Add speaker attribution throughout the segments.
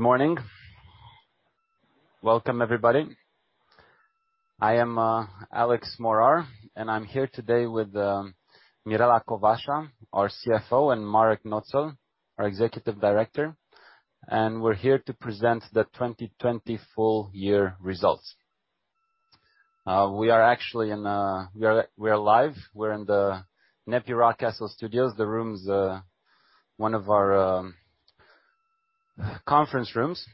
Speaker 1: Good morning. Welcome, everybody. I am Alex Morar, I'm here today with Mirela Covasa, our CFO, and Marek Noetzel, our Executive Director. We're here to present the 2020 full year results. We are live. We're in the NEPI Rockcastle studios. The room's one of our conference rooms,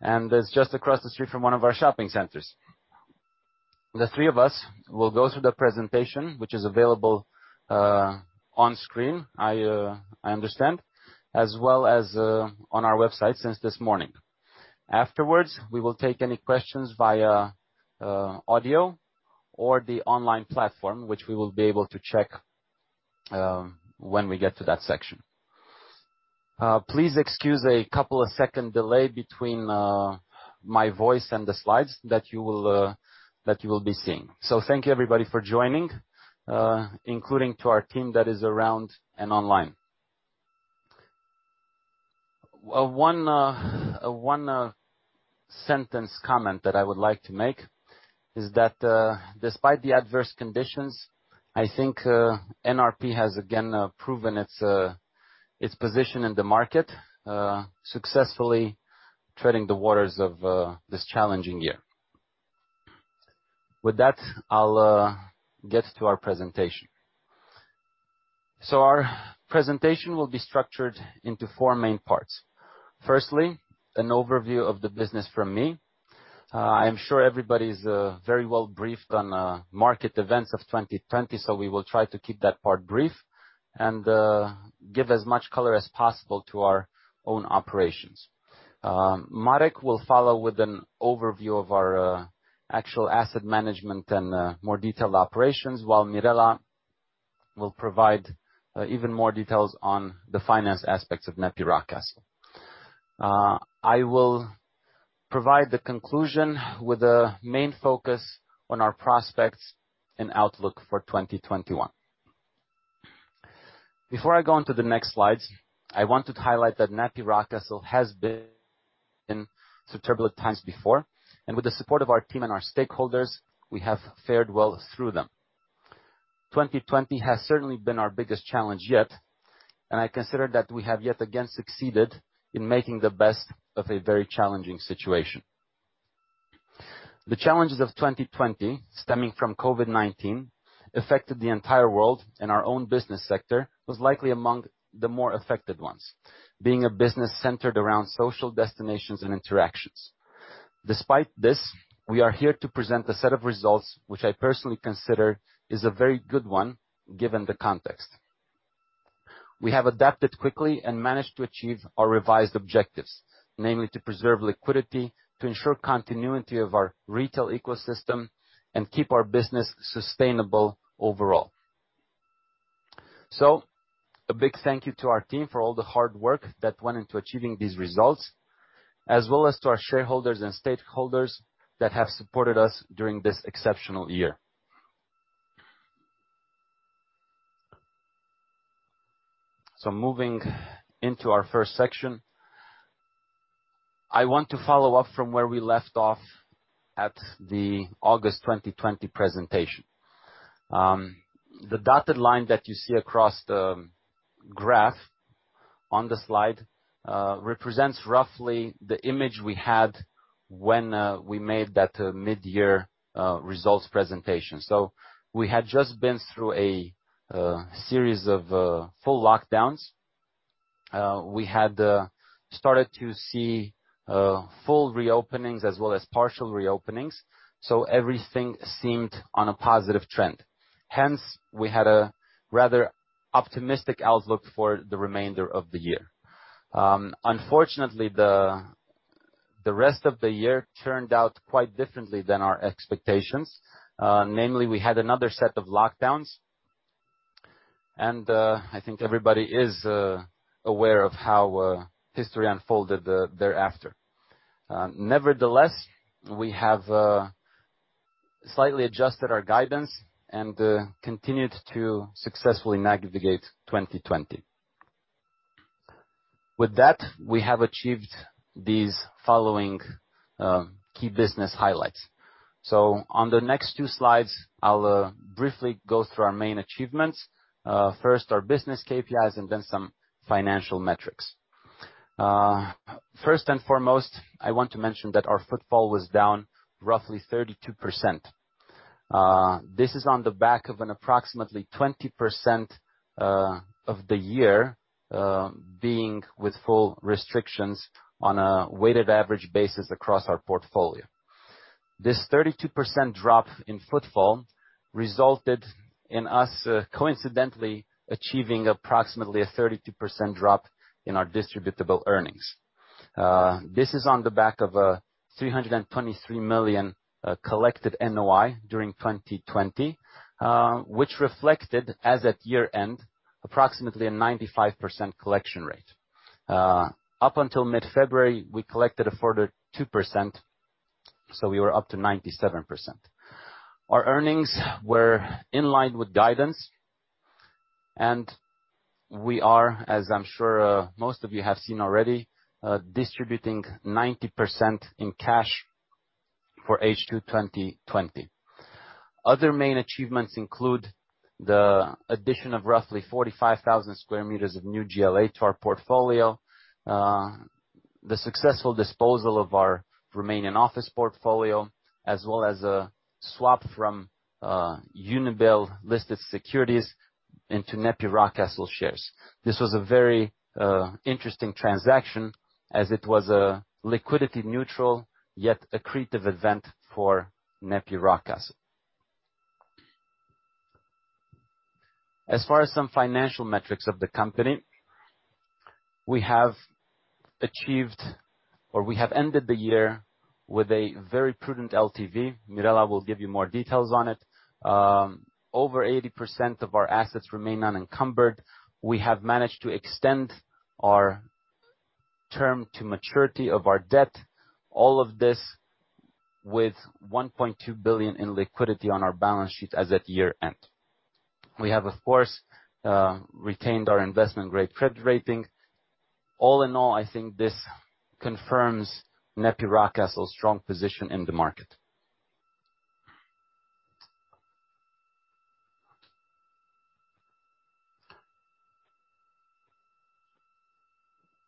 Speaker 1: it's just across the street from one of our shopping centers. The three of us will go through the presentation, which is available onscreen, I understand, as well as on our website since this morning. Afterwards, we will take any questions via audio or the online platform, which we will be able to check when we get to that section. Please excuse a couple of second delay between my voice and the slides that you will be seeing. Thank you everybody for joining, including to our team that is around and online. A one-sentence comment that I would like to make is that, despite the adverse conditions, I think NEPI has again proven its position in the market, successfully treading the waters of this challenging year. With that, I'll get to our presentation. Our presentation will be structured into four main parts. Firstly, an overview of the business from me. I am sure everybody's very well-briefed on market events of 2020, we will try to keep that part brief and give as much color as possible to our own operations. Marek will follow with an overview of our actual asset management and more detailed operations, while Mirela will provide even more details on the finance aspects of NEPI Rockcastle. I will provide the conclusion with a main focus on our prospects and outlook for 2021. Before I go onto the next slides, I wanted to highlight that NEPI Rockcastle has been through turbulent times before, and with the support of our team and our stakeholders, we have fared well through them. 2020 has certainly been our biggest challenge yet, and I consider that we have yet again succeeded in making the best of a very challenging situation. The challenges of 2020, stemming from COVID-19, affected the entire world and our own business sector, was likely among the more affected ones, being a business centered around social destinations and interactions. Despite this, we are here to present a set of results, which I personally consider is a very good one, given the context. We have adapted quickly and managed to achieve our revised objectives, namely: to preserve liquidity, to ensure continuity of our retail ecosystem, and keep our business sustainable overall. A big thank you to our team for all the hard work that went into achieving these results, as well as to our shareholders and stakeholders that have supported us during this exceptional year. Moving into our first section, I want to follow up from where we left off at the August 2020 presentation. The dotted line that you see across the graph on the slide, represents roughly the image we had when we made that midyear results presentation. We had just been through a series of full lockdowns. We had started to see full reopenings as well as partial reopenings, so everything seemed on a positive trend. Hence, we had a rather optimistic outlook for the remainder of the year. Unfortunately, the rest of the year turned out quite differently than our expectations. Namely, we had another set of lockdowns. I think everybody is aware of how history unfolded thereafter. Nevertheless, we have slightly adjusted our guidance and continued to successfully navigate 2020. With that, we have achieved these following key business highlights. On the next two slides, I'll briefly go through our main achievements. First, our business KPIs and then some financial metrics. First and foremost, I want to mention that our footfall was down roughly 32%. This is on the back of an approximately 20% of the year, being with full restrictions on a weighted average basis across our portfolio. This 32% drop in footfall resulted in us coincidentally achieving approximately a 32% drop in our distributable earnings. This is on the back of a 323 million collected NOI during 2020, which reflected, as at year-end, approximately a 95% collection rate. Up until mid-February, we collected a further 2%. We were up to 97%. Our earnings were in line with guidance. We are, as I'm sure most of you have seen already, distributing 90% in cash for H2 2020. Other main achievements include the addition of roughly 45,000 sq m of new GLA to our portfolio, the successful disposal of our Romanian office portfolio, as well as a swap from Unibail-listed securities into NEPI Rockcastle shares. This was a very interesting transaction as it was a liquidity neutral, yet accretive event for NEPI Rockcastle. As far as some financial metrics of the company, we have achieved, or we have ended the year with a very prudent LTV. Mirela will give you more details on it. Over 80% of our assets remain unencumbered. We have managed to extend our term to maturity of our debt, all of this with 1.2 billion in liquidity on our balance sheet as at year-end. We have, of course, retained our investment-grade credit rating. All in all, I think this confirms NEPI Rockcastle's strong position in the market.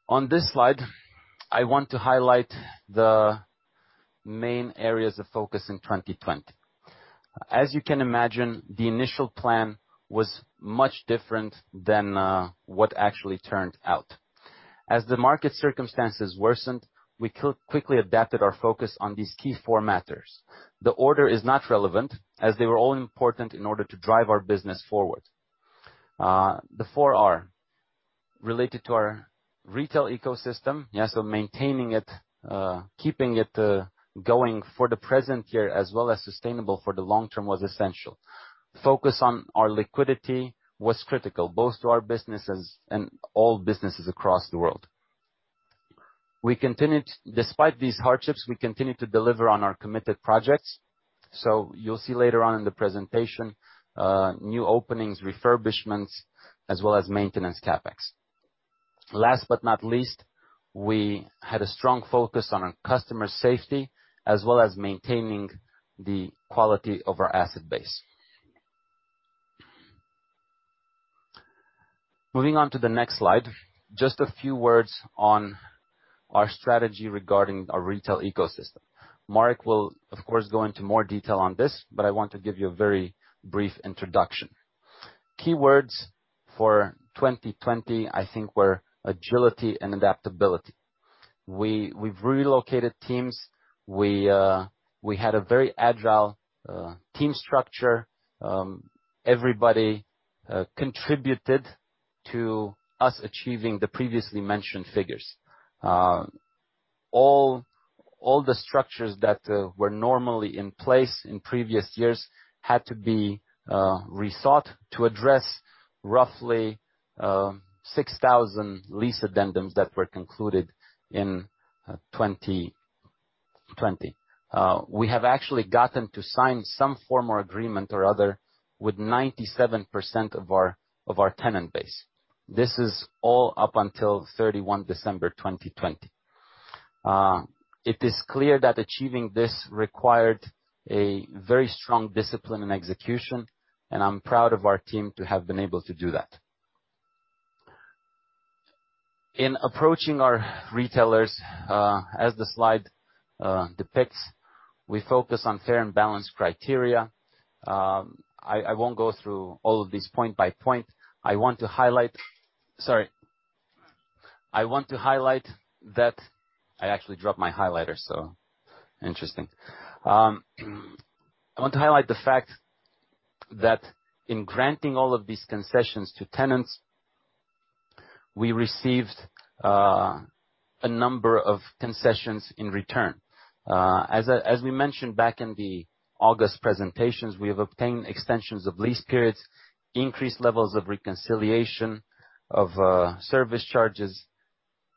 Speaker 1: On this slide, I want to highlight the main areas of focus in 2020. As you can imagine, the initial plan was much different than what actually turned out. As the market circumstances worsened, we quickly adapted our focus on these key four matters. The order is not relevant, as they were all important in order to drive our business forward. The four are related to our retail ecosystem. Maintaining it, keeping it going for the present year as well as sustainable for the long term, was essential. Focus on our liquidity was critical, both to our businesses and all businesses across the world. Despite these hardships, we continued to deliver on our committed projects. You'll see later on in the presentation, new openings, refurbishments, as well as maintenance CapEx. Last but not least, we had a strong focus on our customer safety as well as maintaining the quality of our asset base. Moving on to the next slide, just a few words on our strategy regarding our retail ecosystem. Marek will, of course, go into more detail on this, but I want to give you a very brief introduction. Keywords for 2020, I think, were agility and adaptability. We've relocated teams. We had a very agile team structure. Everybody contributed to us achieving the previously mentioned figures. All the structures that were normally in place in previous years had to be rethought to address roughly 6,000 lease addendums that were concluded in 2020. We have actually gotten to sign some form of agreement or other with 97% of our tenant base. This is all up until December 31, 2020. It is clear that achieving this required a very strong discipline and execution, and I'm proud of our team to have been able to do that. In approaching our retailers, as the slide depicts, we focus on fair and balanced criteria. I won't go through all of these point by point. I want to highlight. Sorry. I actually dropped my highlighter. So interesting. I want to highlight the fact that in granting all of these concessions to tenants, we received a number of concessions in return. As we mentioned back in the August presentations, we have obtained extensions of lease periods, increased levels of reconciliation of service charges,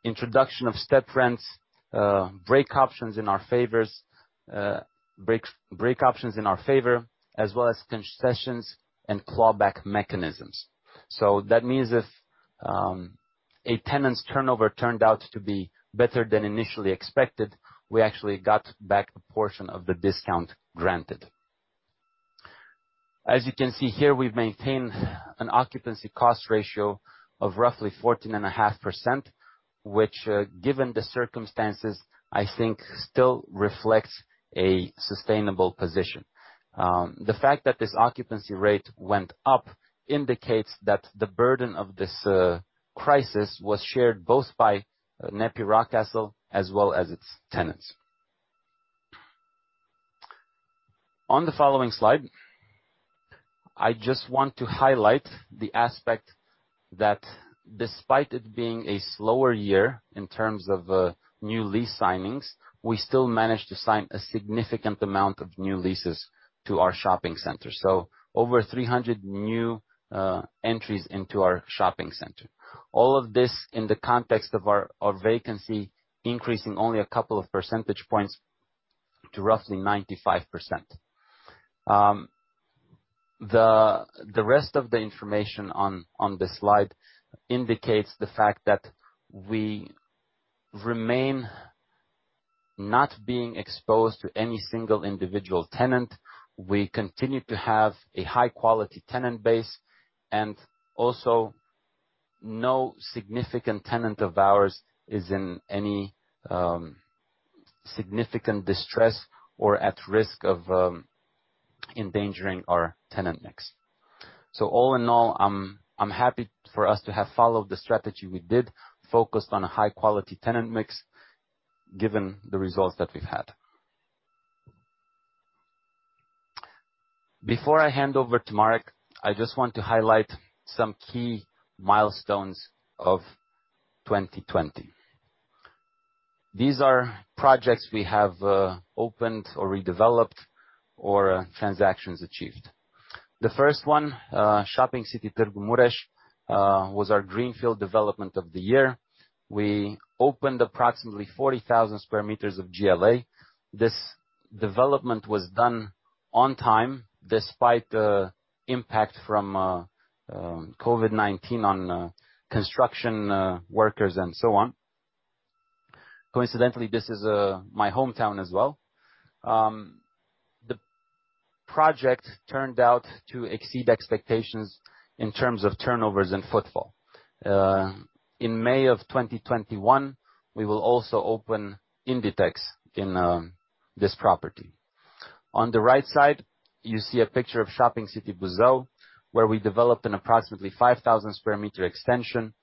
Speaker 1: introduction of step rents, break options in our favor, as well as concessions and clawback mechanisms. That means if a tenant's turnover turned out to be better than initially expected, we actually got back a portion of the discount granted. As you can see here, we've maintained an occupancy cost ratio of roughly 14.5%, which, given the circumstances, I think still reflects a sustainable position. The fact that this occupancy rate went up indicates that the burden of this crisis was shared both by NEPI Rockcastle as well as its tenants. On the following slide, I just want to highlight the aspect that despite it being a slower year in terms of new lease signings, we still managed to sign a significant amount of new leases to our shopping center. Over 300 new entries into our shopping center. All of this in the context of our vacancy increasing only a couple of percentage points to roughly 95%. The rest of the information on this slide indicates the fact that we remain not being exposed to any single individual tenant. We continue to have a high-quality tenant base. No significant tenant of ours is in any significant distress or at risk of endangering our tenant mix. All in all, I'm happy for us to have followed the strategy we did, focused on a high-quality tenant mix, given the results that we've had. Before I hand over to Marek, I just want to highlight some key milestones of 2020. These are projects we have opened or redeveloped or transactions achieved. The first one, Shopping City Târgu Mureș, was our greenfield development of the year. We opened approximately 40,000 sq m of GLA. This development was done on time, despite the impact from COVID-19 on construction workers and so on. Coincidentally, this is my hometown as well. The project turned out to exceed expectations in terms of turnovers and footfall. In May of 2021, we will also open Inditex in this property. On the right side, you see a picture of Shopping City Buzău, where we developed an approximately 5,000 sq m extension,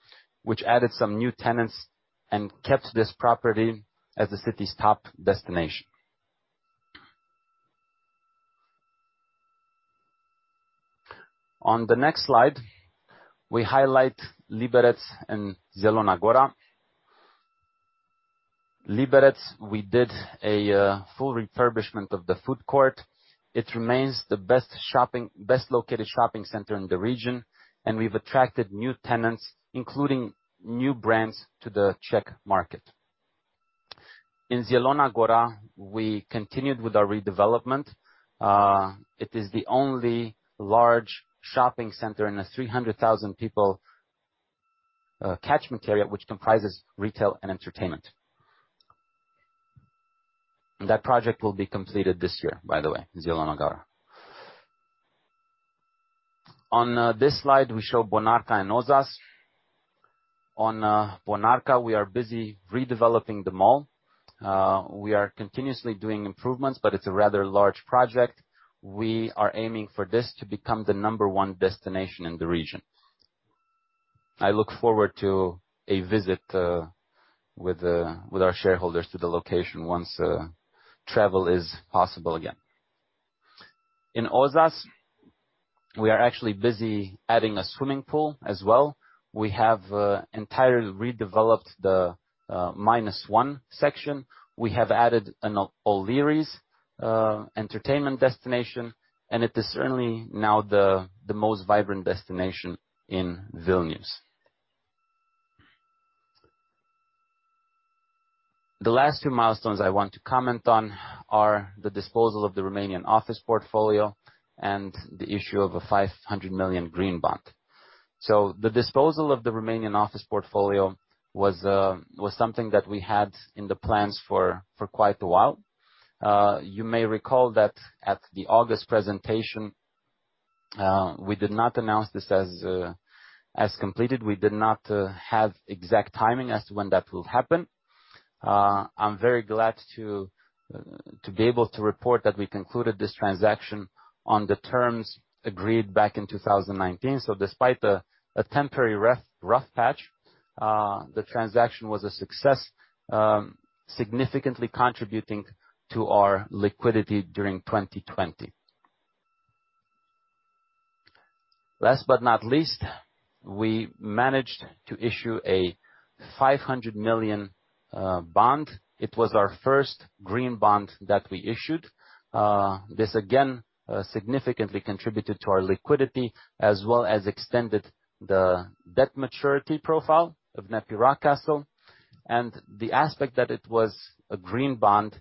Speaker 1: which added some new tenants and kept this property as the city's top destination. On the next slide, we highlight Liberec and Zielona Góra. Liberec, we did a full refurbishment of the food court. It remains the best located shopping center in the region, and we've attracted new tenants, including new brands, to the Czech market. In Zielona Góra, we continued with our redevelopment. It is the only large shopping center in a 300,000 people catchment area, which comprises retail and entertainment. That project will be completed this year, by the way, Zielona Góra. On this slide, we show Bonarka and Ozas. On Bonarka, we are busy redeveloping the mall. We are continuously doing improvements, but it's a rather large project. We are aiming for this to become the number one destination in the region. I look forward to a visit with our shareholders to the location once travel is possible again. In Ozas, we are actually busy adding a swimming pool as well. We have entirely redeveloped the minus one section. We have added an O'Learys entertainment destination, and it is certainly now the most vibrant destination in Vilnius. The last two milestones I want to comment on are the disposal of the Romanian office portfolio and the issue of a 500 million green bond. The disposal of the Romanian office portfolio was something that we had in the plans for quite a while. You may recall that at the August presentation, we did not announce this as completed. We did not have exact timing as to when that will happen. I'm very glad to be able to report that we concluded this transaction on the terms agreed back in 2019. Despite a temporary rough patch, the transaction was a success, significantly contributing to our liquidity during 2020. Last but not least, we managed to issue a 500 million bond. It was our first green bond that we issued. This again, significantly contributed to our liquidity as well as extended the debt maturity profile of NEPI Rockcastle, and the aspect that it was a green bond,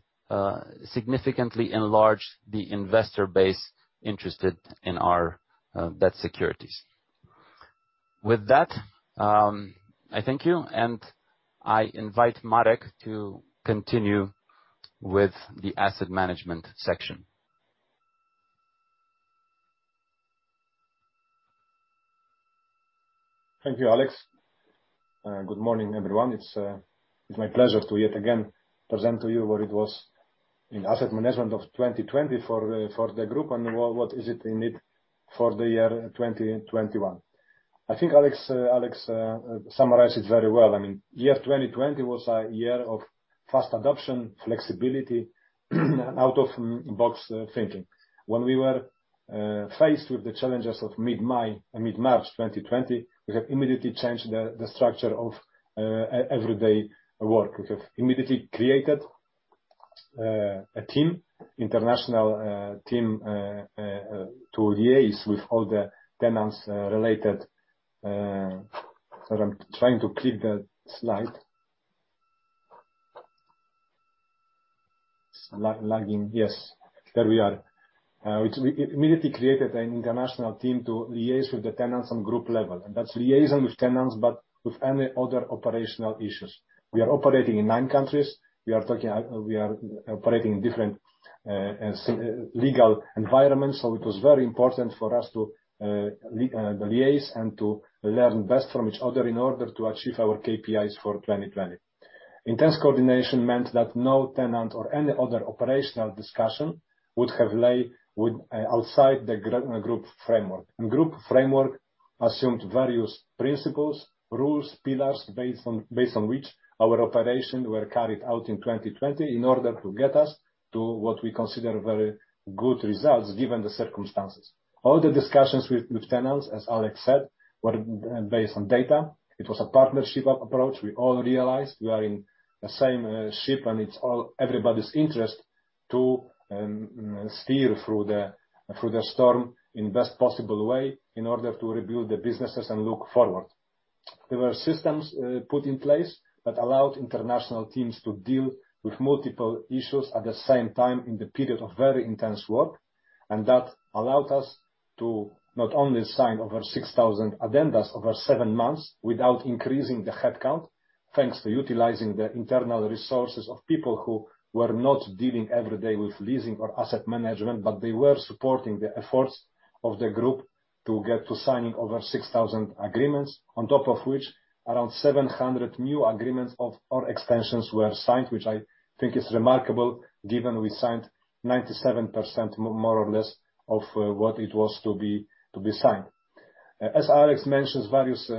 Speaker 1: significantly enlarged the investor base interested in our debt securities. With that, I thank you, and I invite Marek to continue with the asset management section.
Speaker 2: Thank you, Alex. Good morning, everyone. It's my pleasure to yet again present to you what it was in asset management of 2020 for the group and what is it in it for the year 2021. I think Alex summarized it very well. Year 2020 was a year of fast adoption, flexibility, and out-of-box thinking. When we were faced with the challenges of mid-March 2020, we have immediately changed the structure of everyday work. We have immediately created a team, international team. To liaise with all the tenants related I'm trying to click the slide. It's lagging. Yes, there we are. We immediately created an international team to liaise with the tenants on group level, and that's liaison with tenants, but with any other operational issues. We are operating in nine countries. We are operating in different legal environments. It was very important for us to liaise and to learn best from each other in order to achieve our KPIs for 2020. Intense coordination meant that no tenant or any other operational discussion would have lay outside the group framework. Group framework assumed various principles, rules, pillars, based on which our operations were carried out in 2020 in order to get us to what we consider very good results, given the circumstances. All the discussions with tenants, as Alex said, were based on data. It was a partnership approach. We all realized we are in the same ship, and it's everybody's interest to steer through the storm in best possible way in order to rebuild the businesses and look forward. There were systems put in place that allowed international teams to deal with multiple issues at the same time in the period of very intense work. That allowed us to not only sign over 6,000 addendas over seven months without increasing the headcount, thanks to utilizing the internal resources of people who were not dealing every day with leasing or asset management, but they were supporting the efforts of the group to get to signing over 6,000 agreements. On top of which, around 700 new agreements or extensions were signed. Which I think is remarkable given we signed 97%, more or less, of what it was to be signed. As Alex mentioned, various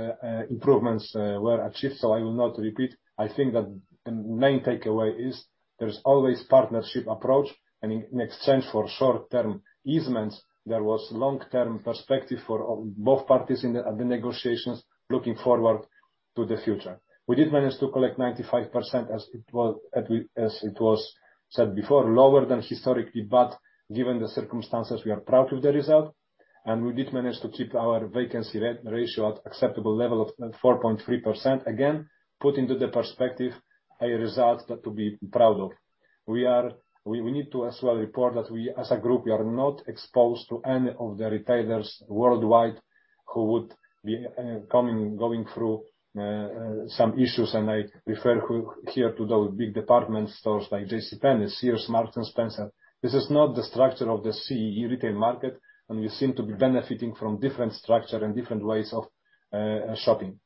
Speaker 2: improvements were achieved, so I will not repeat. I think that the main takeaway is there is always partnership approach, and in exchange for short-term easements, there was long-term perspective for both parties in the negotiations looking forward to the future. We did manage to collect 95%, as it was said before, lower than historically, but given the circumstances, we are proud of the result, and we did manage to keep our vacancy ratio at acceptable level of 4.3%. Again, put into the perspective, a result that to be proud of. We need to as well report that we as a group, we are not exposed to any of the retailers worldwide who would be going through some issues. I refer here to those big department stores like JCPenney, Sears, Marks and Spencer. This is not the structure of the CEE retail market, and we seem to be benefiting from different structure and different ways of shopping.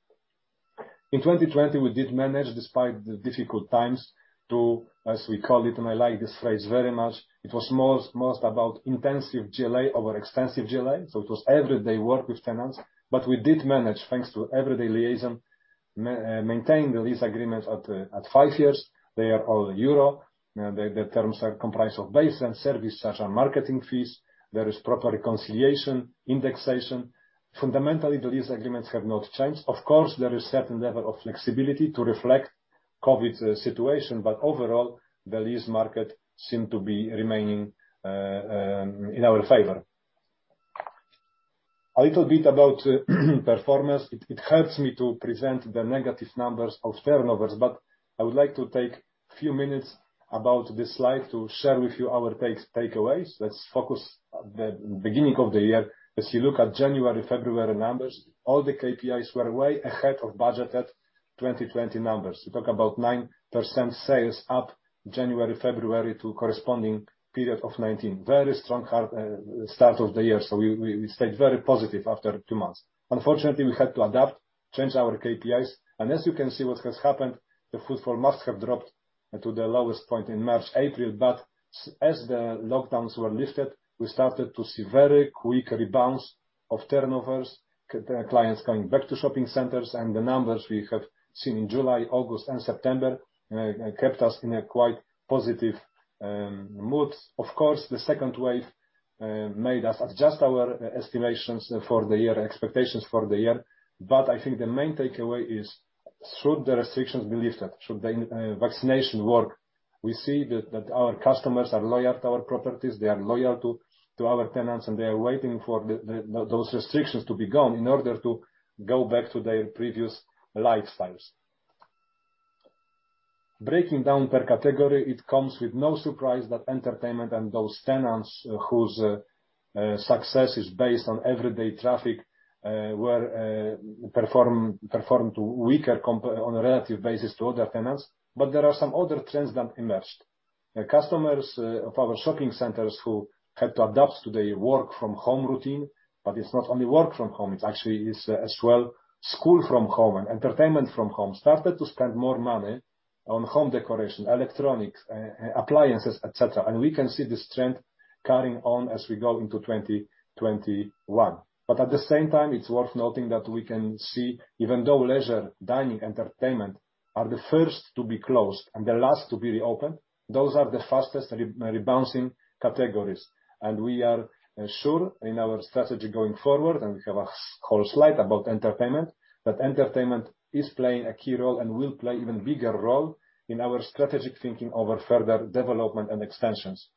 Speaker 2: In 2020, we did manage, despite the difficult times, to, as we call it, and I like this phrase very much, it was most about intensive GLA over extensive GLA. It was everyday work with tenants. We did manage, thanks to everyday liaison, maintain the lease agreements at five years. They are all EUR. The terms are comprised of base and service, such are marketing fees. There is proper reconciliation, indexation. Fundamentally, the lease agreements have not changed. Of course, there is certain level of flexibility to reflect COVID-19 situation, but overall, the lease market seem to be remaining in our favor. A little bit about performance. It hurts me to present the negative numbers of turnovers. I would like to take a few minutes about this slide to share with you our takeaways. Let's focus at the beginning of the year. As you look at January, February numbers, all the KPIs were way ahead of budgeted 2020 numbers. We talk about 9% sales up January, February to corresponding period of 2019. Very strong start of the year. We stayed very positive after two months. Unfortunately, we had to adapt, change our KPIs, and as you can see what has happened, the footfall must have dropped to the lowest point in March, April. As the lockdowns were lifted, we started to see very quick rebounds of turnovers, clients coming back to shopping centers, and the numbers we have seen in July, August and September, kept us in a quite positive mood. Of course, the second wave made us adjust our estimations for the year, expectations for the year. I think the main takeaway is should the restrictions be lifted, should the vaccination work, we see that our customers are loyal to our properties, they are loyal to our tenants, and they are waiting for those restrictions to be gone in order to go back to their previous lifestyles. Breaking down per category, it comes with no surprise that entertainment and those tenants whose success is based on everyday traffic, performed weaker on a relative basis to other tenants. There are some other trends that emerged. The customers of our shopping centers who had to adapt to the work from home routine, it is not only work from home, it is actually is as well school from home and entertainment from home, started to spend more money on home decoration, electronics, appliances, et cetera. We can see this trend carrying on as we go into 2021. At the same time, it is worth noting that we can see, even though leisure, dining, entertainment are the first to be closed and the last to be reopened, those are the fastest rebounding categories. We are sure in our strategy going forward, and we have a whole slide about entertainment, that entertainment is playing a key role and will play even bigger role in our strategic thinking over further development and extensions.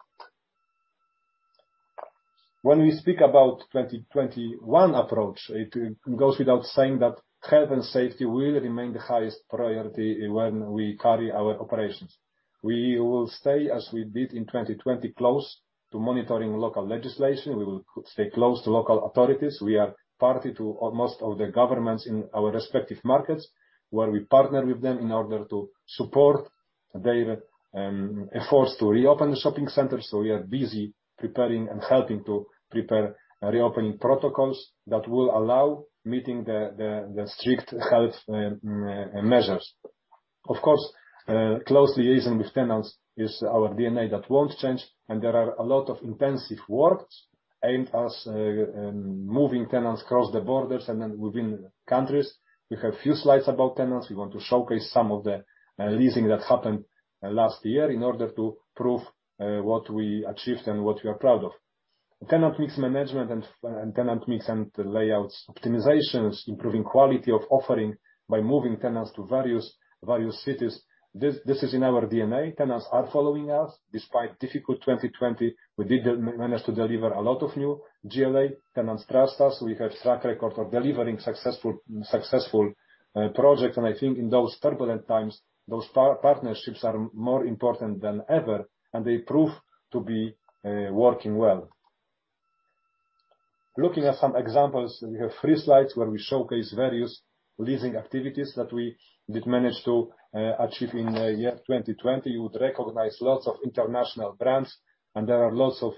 Speaker 2: When we speak about 2021 approach, it goes without saying that health and safety will remain the highest priority when we carry our operations. We will stay, as we did in 2020, close to monitoring local legislation. We will stay close to local authorities. We are party to most of the governments in our respective markets, where we partner with them in order to support their efforts to reopen the shopping center. We are busy preparing and helping to prepare reopening protocols that will allow meeting the strict health measures. Of course, close liaison with tenants is our DNA. That won't change. There are a lot of intensive works aimed at moving tenants across the borders and then within countries. We have a few slides about tenants. We want to showcase some of the leasing that happened last year in order to prove what we achieved and what we are proud of. Tenant mix management and tenant mix and layout optimizations, improving quality of offering by moving tenants to various cities. This is in our DNA. Tenants are following us. Despite difficult 2020, we did manage to deliver a lot of new GLA. Tenants trust us. We have track record of delivering successful projects, and I think in those turbulent times, those partnerships are more important than ever, and they prove to be working well. Looking at some examples, we have three slides where we showcase various leasing activities that we did manage to achieve in the year 2020. You would recognize lots of international brands, and there are lots of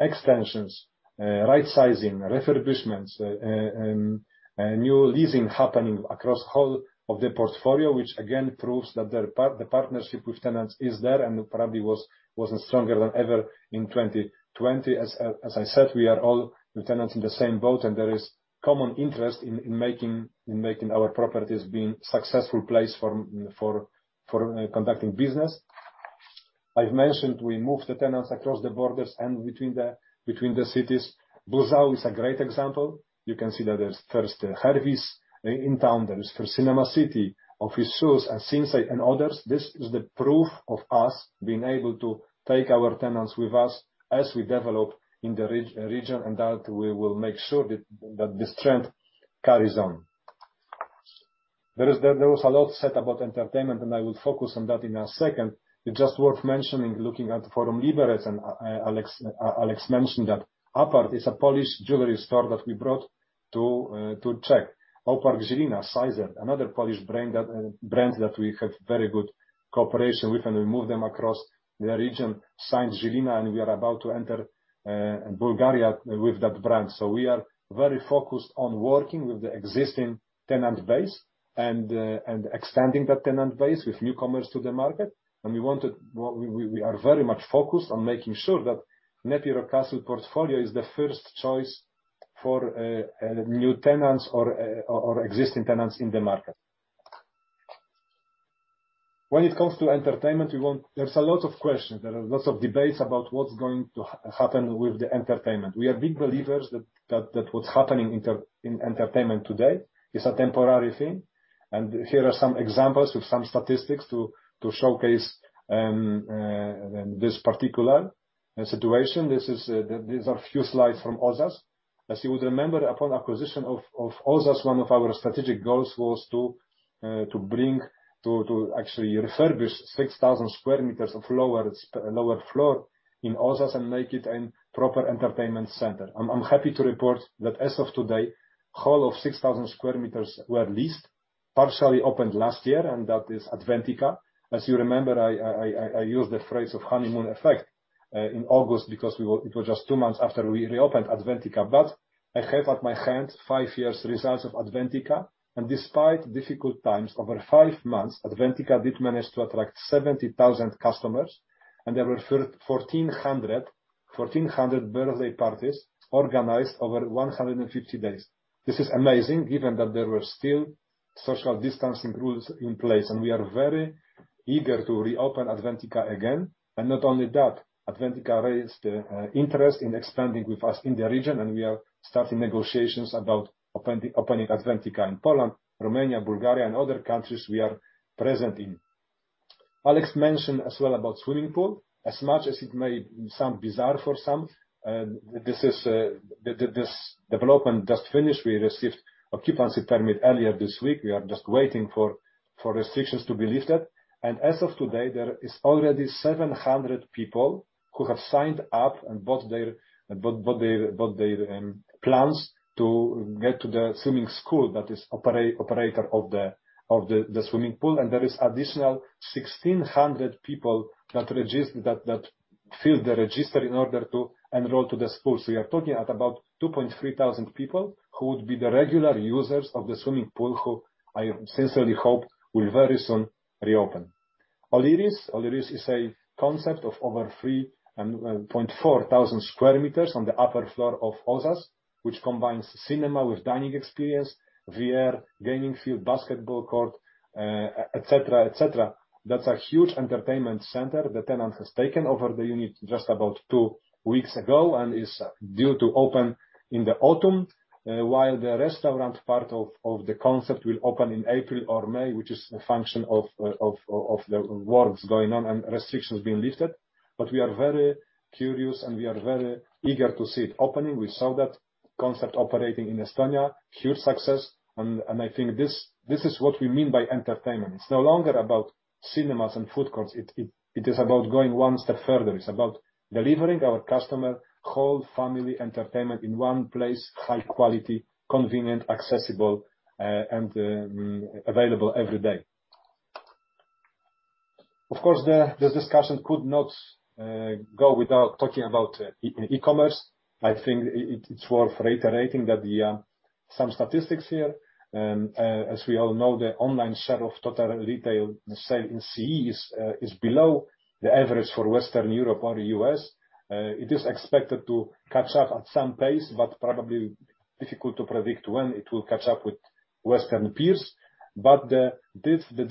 Speaker 2: extensions, right sizing, refurbishments, and new leasing happening across whole of the portfolio, which again proves that the partnership with tenants is there and probably was stronger than ever in 2020. As I said, we are all with tenants in the same boat, and there is common interest in making our properties being successful place for conducting business. I've mentioned we moved the tenants across the borders and between the cities. Buzău is a great example. You can see that there's first Hervis in town. There is first Cinema City, Office Shoes, and Sinsay and others. This is the proof of us being able to take our tenants with us as we develop in the region, and that we will make sure that this trend carries on. There was a lot said about entertainment, and I will focus on that in a second. It's just worth mentioning, looking at Forum Liberec, and Alex mentioned that Apart is a Polish jewelry store that we brought to Czech. Aupark Žilina, Sizeer, another Polish brand that we have very good cooperation with, and we move them across the region. Sinsay Žilina, and we are about to enter Bulgaria with that brand. We are very focused on working with the existing tenant base and extending that tenant base with newcomers to the market. We are very much focused on making sure that NEPI Rockcastle portfolio is the first choice for new tenants or existing tenants in the market. When it comes to entertainment, there's a lot of questions. There are lots of debates about what's going to happen with the entertainment. We are big believers that what's happening in entertainment today is a temporary thing, and here are some examples with some statistics to showcase this particular situation. These are few slides from Ozas. As you would remember, upon acquisition of Ozas, one of our strategic goals was to actually refurbish 6,000 sq m of lower floor in Ozas and make it a proper entertainment center. I'm happy to report that as of today, whole of 6,000 sq m were leased, partially opened last year, and that is Adventica. As you remember, I used the phrase of honeymoon effect in August because it was just two months after we reopened Adventica. I have at my hand five years results of Adventica, and despite difficult times, over five months, Adventica did manage to attract 70,000 customers, and there were 1,400 birthday parties organized over 150 days. This is amazing, given that there were still social distancing rules in place, and we are very eager to reopen Adventica again. Not only that, Adventica raised interest in expanding with us in the region, and we are starting negotiations about opening Adventica in Poland, Romania, Bulgaria, and other countries we are present in. Alex mentioned as well about swimming pool. As much as it may sound bizarre for some, this development just finished. We received occupancy permit earlier this week. We are just waiting for restrictions to be lifted. As of today, there is already 700 people who have signed up and bought their plans to get to the swimming school that is operator of the swimming pool. There is additional 1,600 people that filled the register in order to enroll to the school. We are talking at about 2,300 people who would be the regular users of the swimming pool, who I sincerely hope will very soon reopen. Olyris. Olyris is a concept of over 3,400 sq m on the upper floor of Ozas, which combines cinema with dining experience, VR, gaming field, basketball court, et cetera. That's a huge entertainment center. The tenant has taken over the unit just about two weeks ago and is due to open in the autumn, while the restaurant part of the concept will open in April or May, which is a function of the works going on and restrictions being lifted. We are very curious, and we are very eager to see it opening. We saw that concept operating in Estonia. Huge success, and I think this is what we mean by entertainment. It's no longer about cinemas and food courts. It is about going one step further. It's about delivering our customer whole family entertainment in one place, high quality, convenient, accessible, and available every day. Of course, the discussion could not go without talking about e-commerce. I think it's worth reiterating that some statistics here, as we all know, the online share of total retail sale in CEE is below the average for Western Europe or the U.S. It is expected to catch up at some pace, but probably difficult to predict when it will catch up with Western peers. The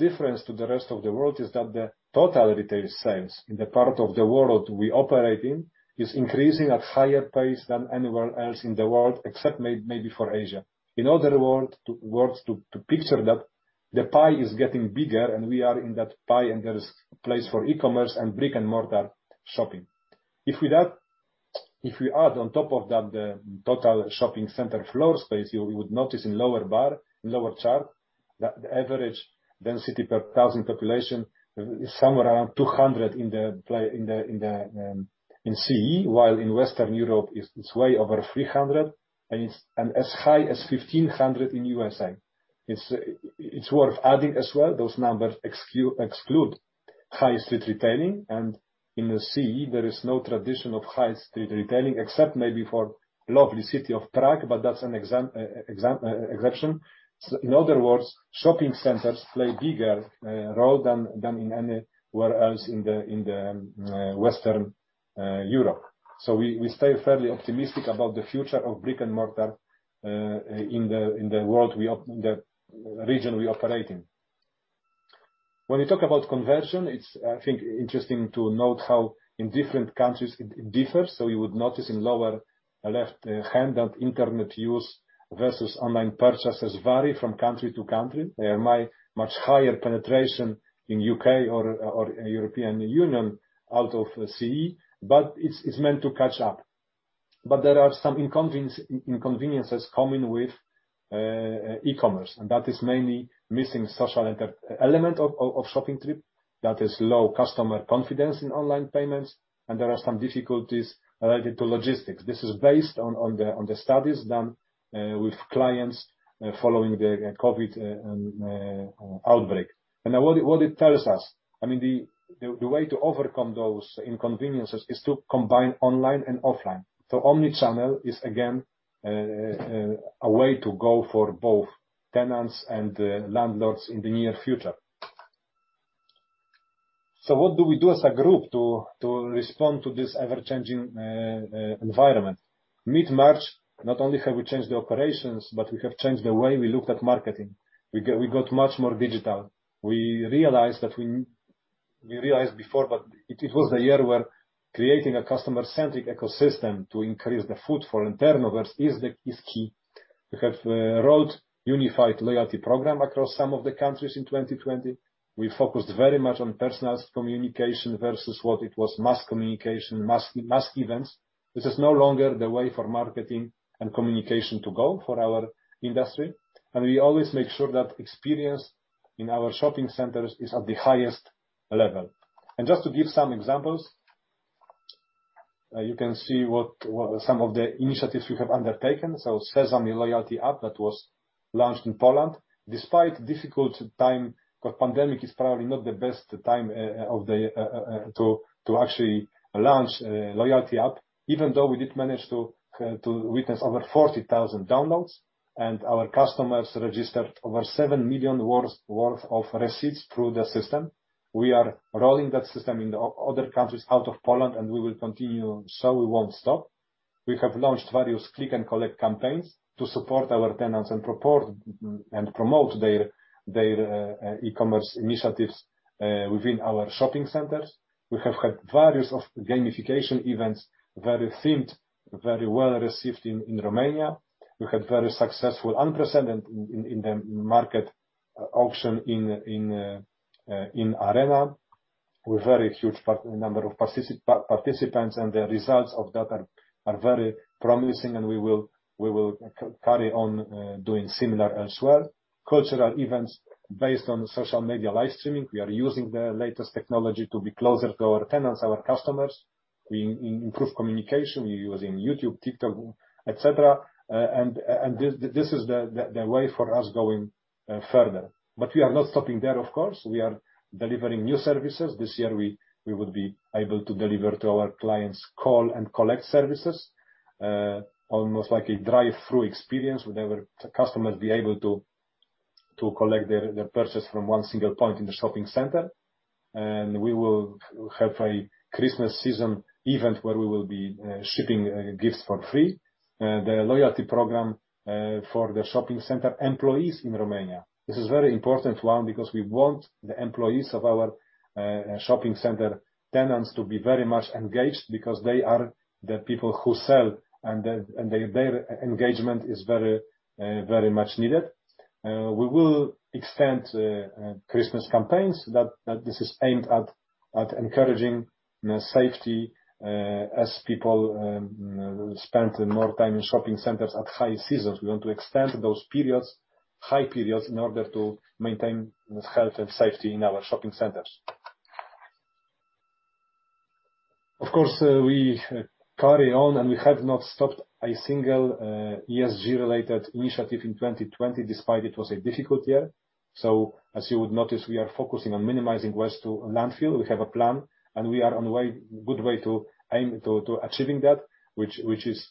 Speaker 2: difference to the rest of the world is that the total retail sales in the part of the world we operate in, is increasing at a higher pace than anywhere else in the world, except maybe for Asia. In other words, to picture that the pie is getting bigger, and we are in that pie, and there is place for e-commerce and brick-and-mortar shopping. If we add on top of that the total shopping center floor space, you would notice in lower bar, lower chart, that the average density per 1,000 population is somewhere around 200 in CEE, while in Western Europe it's way over 300, and as high as 1,500 in U.S.A. It's worth adding as well, those numbers exclude high street retailing. In the CEE, there is no tradition of high street retailing, except maybe for lovely city of Prague, but that's an exception. In other words, shopping centers play bigger role than anywhere else in the Western Europe. We stay fairly optimistic about the future of brick-and-mortar, in the region we operate in. When we talk about conversion, it's, I think, interesting to note how in different countries it differs. You would notice in lower left-hand that internet use versus online purchases vary from country to country. There are much higher penetration in U.K. or European Union out of CEE, but it's meant to catch up. There are some inconveniences coming with e-commerce, and that is mainly missing social element of shopping trip, that is low customer confidence in online payments, and there are some difficulties related to logistics. This is based on the studies done with clients following the COVID outbreak. What it tells us, the way to overcome those inconveniences is to combine online and offline. Omnichannel is again, a way to go for both tenants and landlords in the near future. What do we do as a group to respond to this ever-changing environment? Mid-March, not only have we changed the operations, but we have changed the way we looked at marketing. We got much more digital. We realized before, but it was the year where creating a customer-centric ecosystem to increase the footfall and turnover is key. We have rolled unified loyalty program across some of the countries in 2020. We focused very much on personalized communication versus what it was, mass communication, mass events. This is no longer the way for marketing and communication to go for our industry. We always make sure that experience in our shopping centers is of the highest level. Just to give some examples, you can see what some of the initiatives we have undertaken. Sezam loyalty app that was launched in Poland. Despite difficult time, because pandemic is probably not the best time to actually launch a loyalty app, even though we did manage to witness over 40,000 downloads, and our customers registered over 7 million worth of receipts through the system. We are rolling that system in the other countries out of Poland, and we will continue, so we won't stop. We have launched various click and collect campaigns to support our tenants and promote their e-commerce initiatives within our shopping centers. We have had various gamification events, very themed, very well received in Romania. We had very successful, unprecedented in the market auction in Arena, with very huge number of participants, and the results of that are very promising, and we will carry on doing similar as well, cultural events based on social media live streaming. We are using the latest technology to be closer to our tenants, our customers. We improve communication. We're using YouTube, TikTok, etc. This is the way for us going further. We are not stopping there, of course. We are delivering new services. This year, we will be able to deliver to our clients call and collect services, almost like a drive-through experience, where customers will be able to collect their purchase from one single point in the shopping center. We will have a Christmas season event where we will be shipping gifts for free. The loyalty program for the shopping center employees in Romania. This is very important one, because we want the employees of our shopping center tenants to be very much engaged because they are the people who sell, and their engagement is very much needed. We will extend Christmas campaigns. This is aimed at encouraging safety as people spend more time in shopping centers at high seasons. We want to extend those high periods in order to maintain health and safety in our shopping centers. Of course, we carry on, we have not stopped a single ESG-related initiative in 2020, despite it was a difficult year. As you would notice, we are focusing on minimizing waste to landfill. We have a plan, we are on a good way to aim to achieving that, which is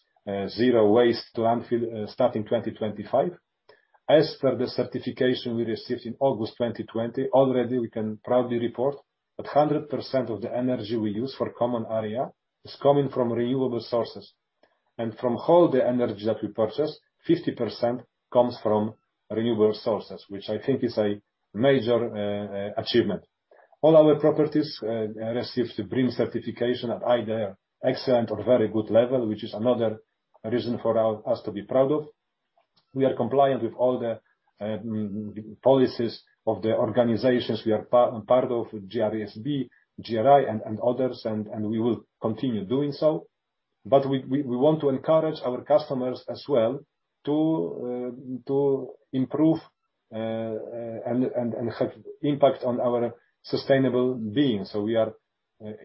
Speaker 2: zero waste to landfill starting 2025. As per the certification we received in August 2020, already we can proudly report that 100% of the energy we use for common area is coming from renewable sources. From all the energy that we purchase, 50% comes from renewable sources, which I think is a major achievement. All our properties received the BREEAM certification at either excellent or very good level, which is another reason for us to be proud of. We are compliant with all the policies of the organizations we are part of, GRESB, GRI, and others, and we will continue doing so. We want to encourage our customers as well to improve and have impact on our sustainable being. We are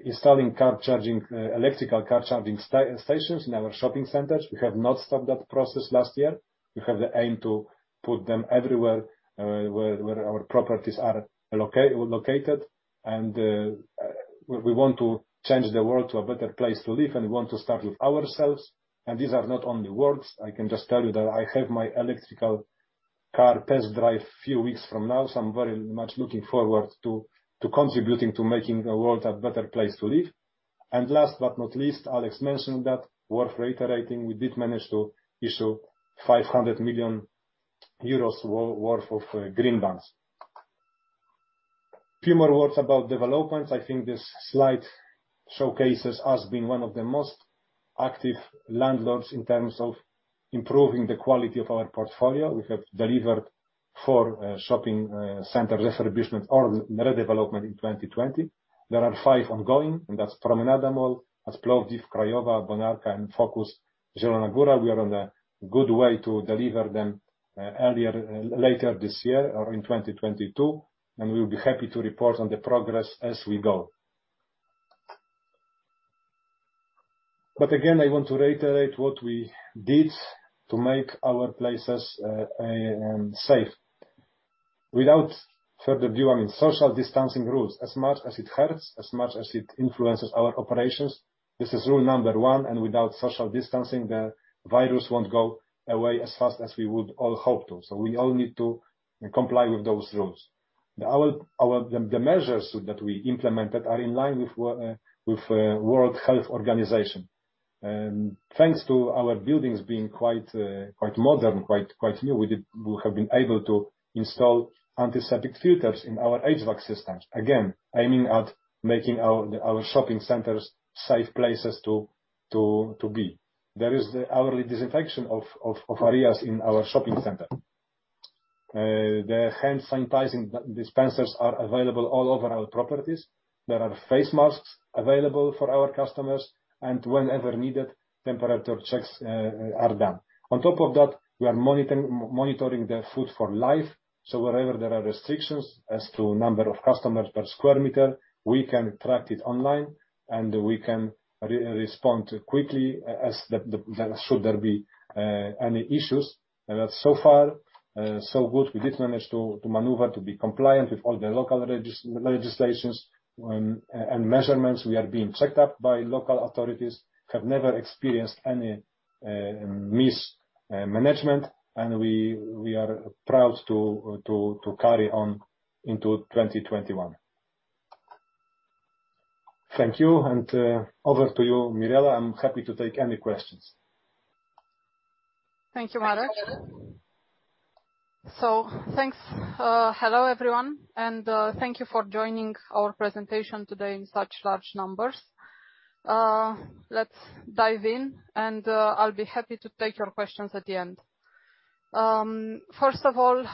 Speaker 2: installing electrical car charging stations in our shopping centers. We have not stopped that process last year. We have the aim to put them everywhere where our properties are located, and we want to change the world to a better place to live, and we want to start with ourselves. These are not only words. I can just tell you that I have my electrical car test drive few weeks from now, so I'm very much looking forward to contributing to making the world a better place to live. Last but not least, Alex mentioned that, worth reiterating, we did manage to issue 500 million euros worth of green bonds. Few more words about developments. I think this slide showcases us being one of the most active landlords in terms of improving the quality of our portfolio. We have delivered four shopping center refurbishments or redevelopment in 2020. There are five ongoing, and that's Promenada Mall, Plovdiv, Craiova, Bonarka, and Focus Mall Zielona Góra. We are on a good way to deliver them later this year or in 2022, and we will be happy to report on the progress as we go. Again, I want to reiterate what we did to make our places safe. Without further ado, I mean, social distancing rules, as much as it hurts, as much as it influences our operations, this is rule number one. Without social distancing, the virus won't go away as fast as we would all hope to. We all need to comply with those rules. The measures that we implemented are in line with World Health Organization. Thanks to our buildings being quite modern, quite new, we have been able to install antiseptic filters in our HVAC systems. Again, aiming at making our shopping centers safe places to be. There is the hourly disinfection of areas in our shopping center. The hand sanitizing dispensers are available all over our properties. There are face masks available for our customers, and whenever needed, temperature checks are done. On top of that, we are monitoring the footfall life, so wherever there are restrictions as to number of customers per square meter, we can track it online, and we can respond quickly should there be any issues. So far, so good. We did manage to maneuver to be compliant with all the local legislations and measurements. We are being checked up by local authorities, have never experienced any mismanagement, and we are proud to carry on into 2021. Thank you, and over to you, Mirela. I am happy to take any questions.
Speaker 3: Thank you, Marek. Thanks. Hello, everyone, and thank you for joining our presentation today in such large numbers. Let's dive in, and I'll be happy to take your questions at the end. First of all,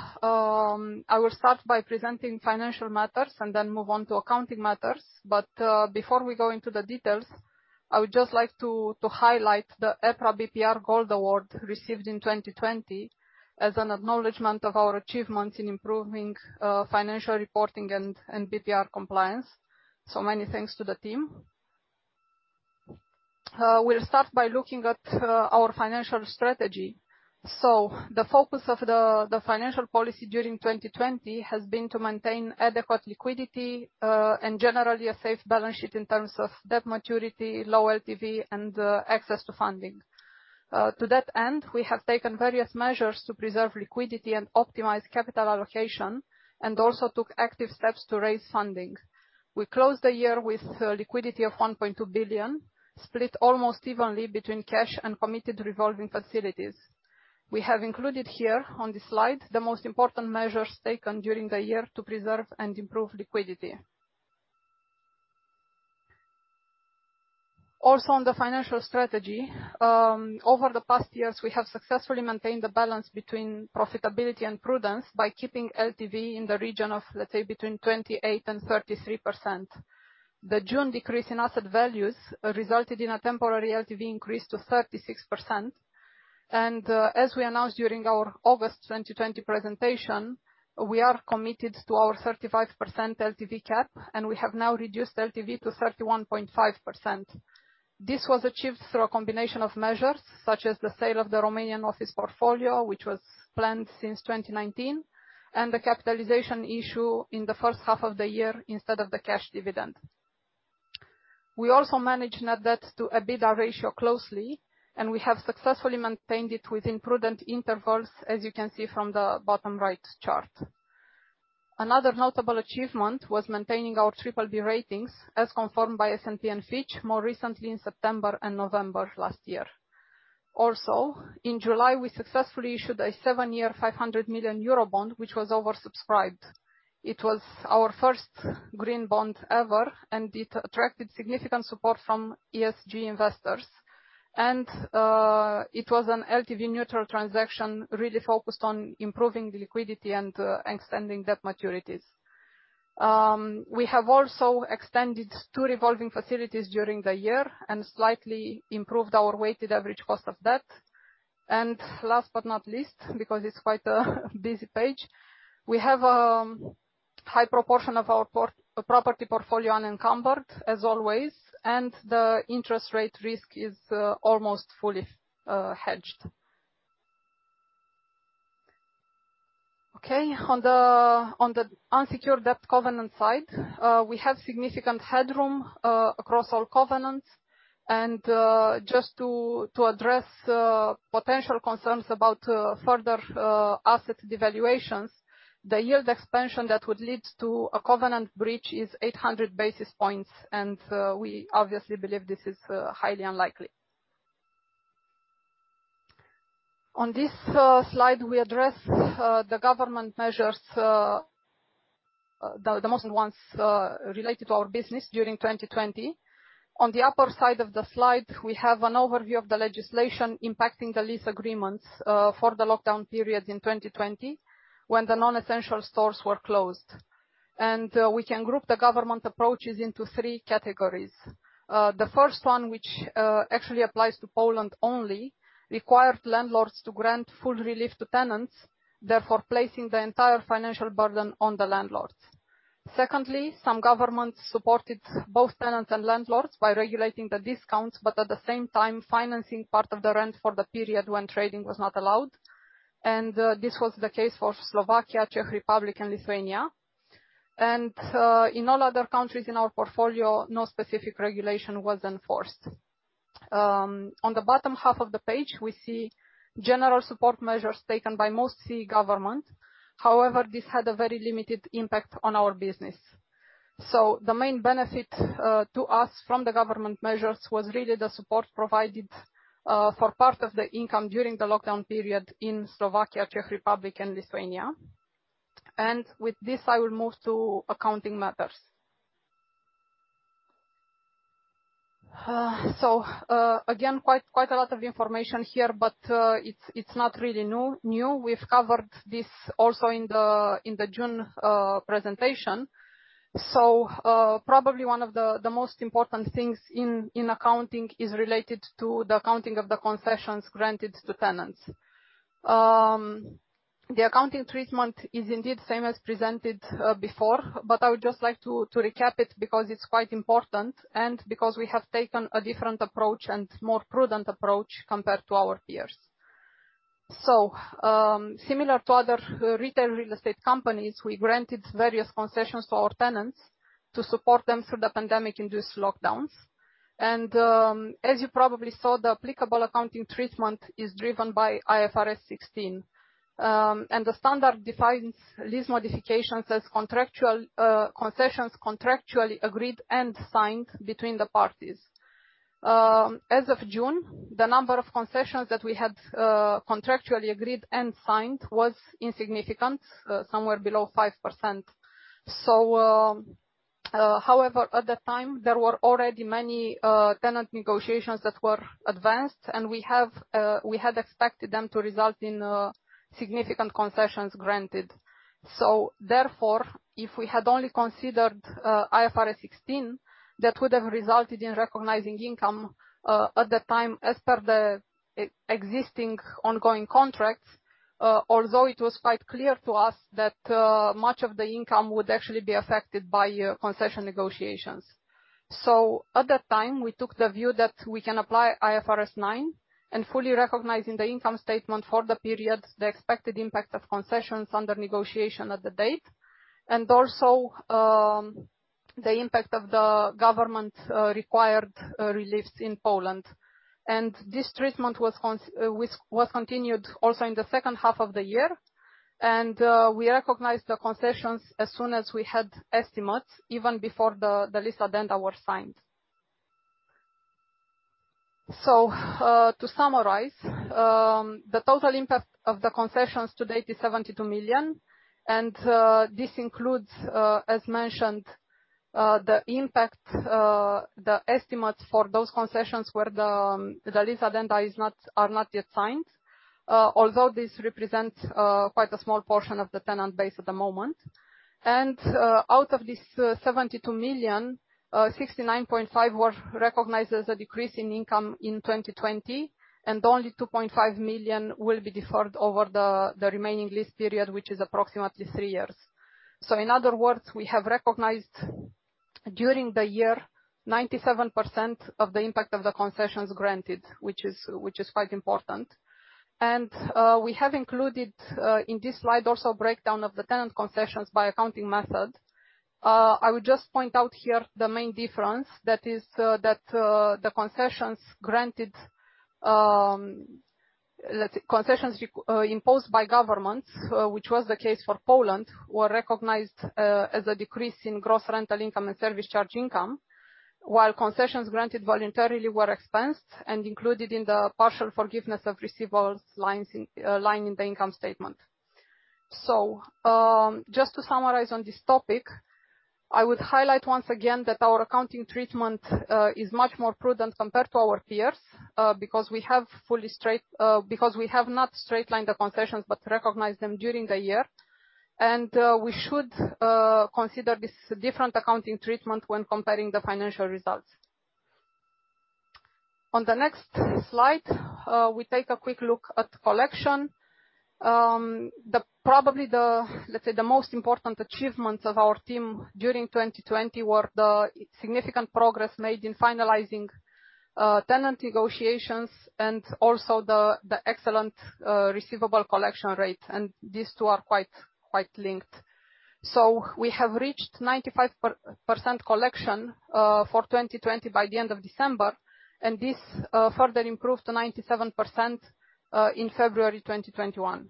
Speaker 3: I will start by presenting financial matters and then move on to accounting matters. Before we go into the details, I would just like to highlight the EPRA BPR Gold Award received in 2020 as an acknowledgment of our achievements in improving financial reporting and BPR compliance. Many thanks to the team. We'll start by looking at our financial strategy. The focus of the financial policy during 2020 has been to maintain adequate liquidity, and generally, a safe balance sheet in terms of debt maturity, low LTV, and access to funding. To that end, we have taken various measures to preserve liquidity and optimize capital allocation and also took active steps to raise funding. We closed the year with liquidity of 1.2 billion, split almost evenly between cash and committed revolving facilities. We have included here on this slide the most important measures taken during the year to preserve and improve liquidity. On the financial strategy. Over the past years, we have successfully maintained the balance between profitability and prudence by keeping LTV in the region of, let's say, between 28% and 33%. The June decrease in asset values resulted in a temporary LTV increase to 36%. As we announced during our August 2020 presentation, we are committed to our 35% LTV cap, and we have now reduced LTV to 31.5%. This was achieved through a combination of measures such as the sale of the Romanian office portfolio, which was planned since 2019, and the capitalization issue in the first half of the year instead of the cash dividend. We also manage net debt to EBITDA ratio closely, and we have successfully maintained it within prudent intervals, as you can see from the bottom right chart. Another notable achievement was maintaining our BBB ratings as confirmed by S&P and Fitch, more recently in September and November last year. In July, we successfully issued a seven-year 500 million euro bond, which was oversubscribed. It was our first green bond ever; it attracted significant support from ESG investors. It was an LTV neutral transaction, really focused on improving liquidity and extending debt maturities. We have also extended two revolving facilities during the year and slightly improved our weighted average cost of debt. Last but not least, because it's quite a busy page, we have a high proportion of our property portfolio unencumbered, as always, and the interest rate risk is almost fully hedged. Okay. On the unsecured debt covenant side, we have significant headroom across all covenants. Just to address potential concerns about further asset devaluations, the yield expansion that would lead to a covenant breach is 800 basis points, and we obviously believe this is highly unlikely. On this slide, we address the government measures, the most ones related to our business during 2020. On the upper side of the slide, we have an overview of the legislation impacting the lease agreements for the lockdown period in 2020, when the non-essential stores were closed. We can group the government approaches into three categories. The first one, which actually applies to Poland only, required landlords to grant full relief to tenants, therefore placing the entire financial burden on the landlords. Secondly, some governments supported both tenants and landlords by regulating the discounts, but at the same time financing part of the rent for the period when trading was not allowed. This was the case for Slovakia, Czech Republic, and Lithuania. In all other countries in our portfolio, no specific regulation was enforced. On the bottom half of the page, we see general support measures taken by most CEE government. However, this had a very limited impact on our business. The main benefit to us from the government measures was really the support provided for part of the income during the lockdown period in Slovakia, Czech Republic, and Lithuania. With this, I will move to accounting matters. Again, quite a lot of information here, but it's not really new. We've covered this also in the June presentation. Probably one of the most important things in accounting is related to the accounting of the concessions granted to tenants. The accounting treatment is indeed same as presented before, but I would just like to recap it because it's quite important and because we have taken a different approach and more prudent approach compared to our peers. Similar to other retail real estate companies, we granted various concessions to our tenants to support them through the pandemic-induced lockdowns. As you probably saw, the applicable accounting treatment is driven by IFRS 16, and the standard defines lease modifications as concessions contractually agreed and signed between the parties. As of June, the number of concessions that we had contractually agreed and signed was insignificant, somewhere below 5%. However, at the time, there were already many tenant negotiations that were advanced, and we had expected them to result in significant concessions granted. Therefore, if we had only considered IFRS 16, that would have resulted in recognizing income at the time as per the existing ongoing contracts, although it was quite clear to us that much of the income would actually be affected by concession negotiations. At that time, we took the view that we can apply IFRS 9 and fully recognizing the income statement for the periods, the expected impact of concessions under negotiation at the date, and also the impact of the government required reliefs in Poland. This treatment was continued also in the second half of the year. We recognized the concessions as soon as we had estimates, even before the lease addenda were signed. To summarize, the total impact of the concessions to date is 72 million, and this includes, as mentioned, the impact, the estimates for those concessions where the lease addenda are not yet signed. Although this represents quite a small portion of the tenant base at the moment. Out of this 72 million, 69.5 million were recognized as a decrease in income in 2020, and only 2.5 million will be deferred over the remaining lease period, which is approximately three years. In other words, we have recognized during the year, 97% of the impact of the concessions granted, which is quite important. We have included in this slide also a breakdown of the tenant concessions by accounting method. I would just point out here the main difference, that is that the concessions imposed by governments, which was the case for Poland, were recognized as a decrease in gross rental income and service charge income, while concessions granted voluntarily were expensed and included in the partial forgiveness of receivables line in the income statement. Just to summarize on this topic, I would highlight once again that our accounting treatment is much more prudent compared to our peers because we have not straight-lined the concessions, but recognized them during the year. We should consider this different accounting treatment when comparing the financial results. On the next slide, we take a quick look at collection. Probably, let's say, the most important achievements of our team during 2020 were the significant progress made in finalizing tenant negotiations and also the excellent receivable collection rate. These two are quite linked. We have reached 95% collection for 2020 by the end of December. This further improved to 97% in February 2021.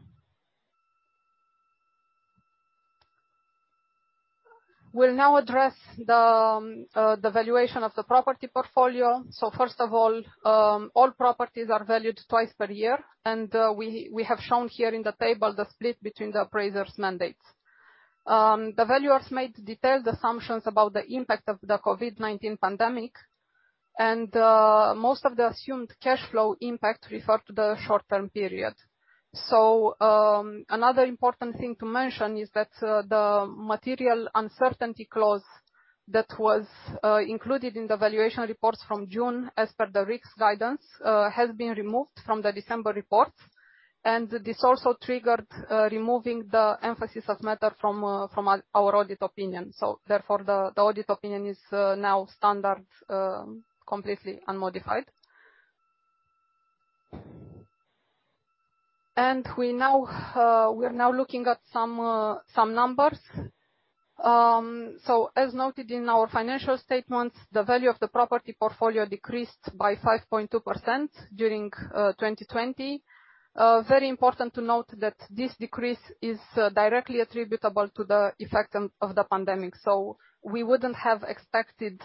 Speaker 3: We'll now address the valuation of the property portfolio. First of all properties are valued twice per year. We have shown here in the table the split between the appraisers' mandates. The valuers made detailed assumptions about the impact of the COVID-19 pandemic. Most of the assumed cash flow impact referred to the short-term period. Another important thing to mention is that the material uncertainty clause that was included in the valuation reports from June, as per the risk guidance, has been removed from the December reports. This also triggered removing the emphasis of matter from our audit opinion. Therefore, the audit opinion is now standard, completely unmodified. We're now looking at some numbers. As noted in our financial statements, the value of the property portfolio decreased by 5.2% during 2020. Very important to note that this decrease is directly attributable to the effect of the pandemic. We wouldn't have expected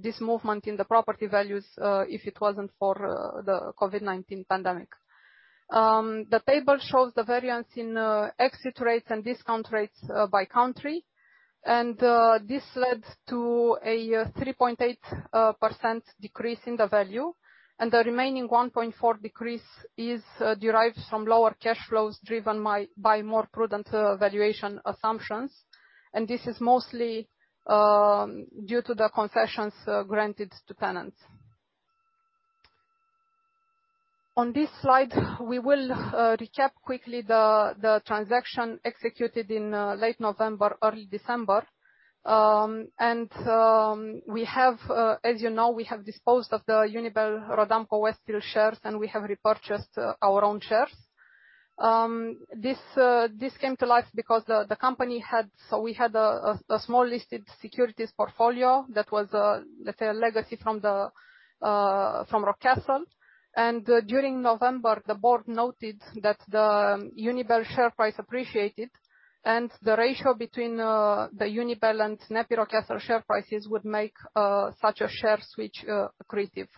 Speaker 3: this movement in the property values if it wasn't for the COVID-19 pandemic. The table shows the variance in exit rates and discount rates by country, and this led to a 3.8% decrease in the value, and the remaining 1.4% decrease is derived from lower cash flows driven by more prudent valuation assumptions, and this is mostly due to the concessions granted to tenants. On this slide, we will recap quickly the transaction executed in late November, early December. As you know, we have disposed of the Unibail-Rodamco-Westfield shares, and we have repurchased our own shares. This came to light because the company had a small listed securities portfolio that was a legacy from Rockcastle. During November, the board noted that the Unibail share price appreciated, and the ratio between the Unibail and NEPI Rockcastle share prices would make such a share switch accretive.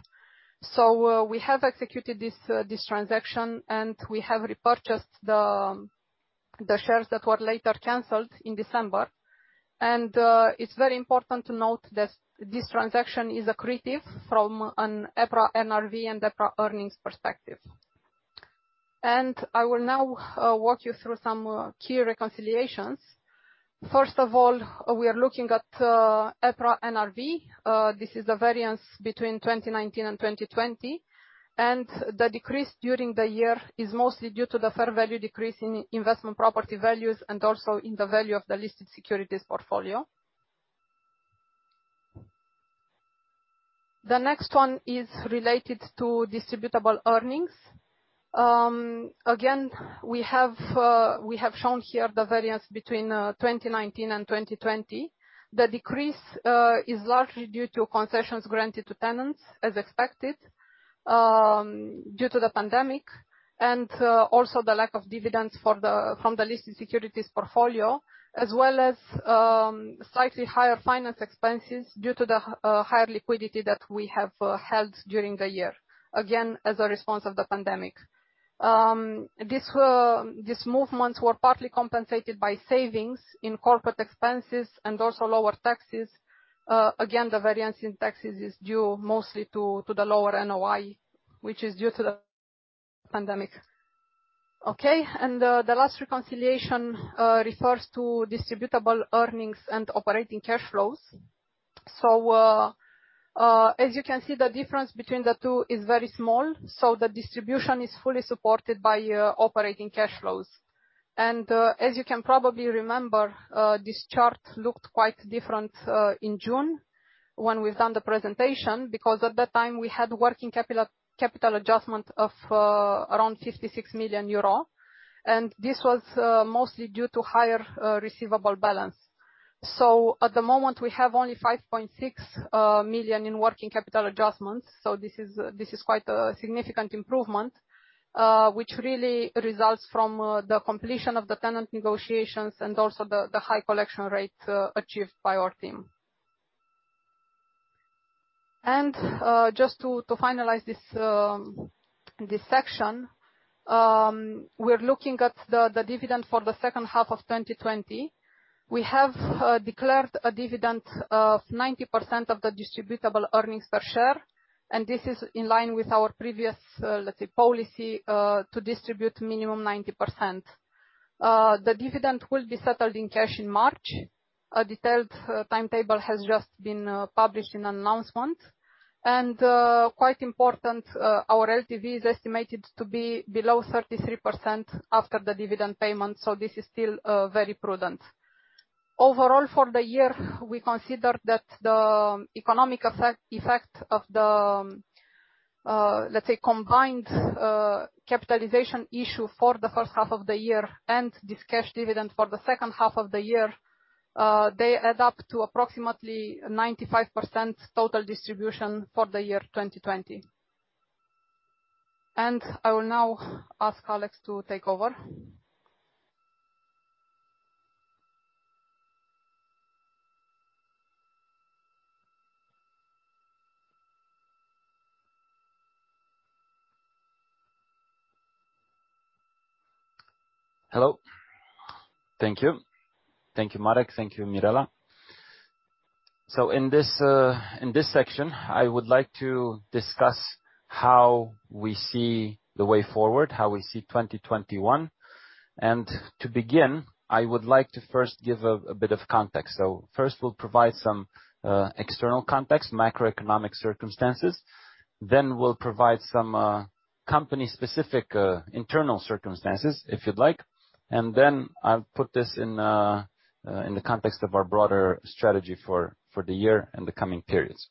Speaker 3: We have executed this transaction, and we have repurchased the shares that were later canceled in December. It is very important to note that this transaction is accretive from an EPRA NRV and EPRA earnings perspective. I will now walk you through some key reconciliations. First of all, we are looking at EPRA NRV. This is the variance between 2019 and 2020, and the decrease during the year is mostly due to the fair value decrease in investment property values and also in the value of the listed securities portfolio. The next one is related to distributable earnings. We have shown here the variance between 2019 and 2020. The decrease is largely due to concessions granted to tenants as expected due to the pandemic. The lack of dividends from the listed securities portfolio, as well as slightly higher finance expenses due to the higher liquidity that we have held during the year, again, as a response of the pandemic. These movements were partly compensated by savings in corporate expenses and also lower taxes. The variance in taxes is due mostly to the lower NOI, which is due to the pandemic. The last reconciliation refers to distributable earnings and operating cash flows. As you can see, the difference between the two is very small, so the distribution is fully supported by operating cash flows. As you can probably remember, this chart looked quite different in June when we've done the presentation, because at that time we had working capital adjustment of around 56 million euro, and this was mostly due to higher receivable balance. At the moment, we have only 5.6 million in working capital adjustments, so this is quite a significant improvement, which really results from the completion of the tenant negotiations and also the high collection rate achieved by our team. Just to finalize this section, we're looking at the dividend for the second half of 2020. We have declared a dividend of 90% of the distributable earnings per share, and this is in line with our previous, let's say, policy, to distribute minimum 90%. The dividend will be settled in cash in March. A detailed timetable has just been published in an announcement. Quite important, our LTV is estimated to be below 33% after the dividend payment. This is still very prudent. Overall, for the year, we consider that the economic effect of the, let's say, combined capitalization issue for the first half of the year and this cash dividend for the second half of the year, they add up to approximately 95% total distribution for the year 2020. I will now ask Alex to take over.
Speaker 1: Hello. Thank you. Thank you, Marek. Thank you, Mirela. In this section, I would like to discuss how we see the way forward, how we see 2021. To begin, I would like to first give a bit of context. First we'll provide some external context, macroeconomic circumstances, then we'll provide some company specific internal circumstances, if you'd like. Then I'll put this in the context of our broader strategy for the year and the coming periods.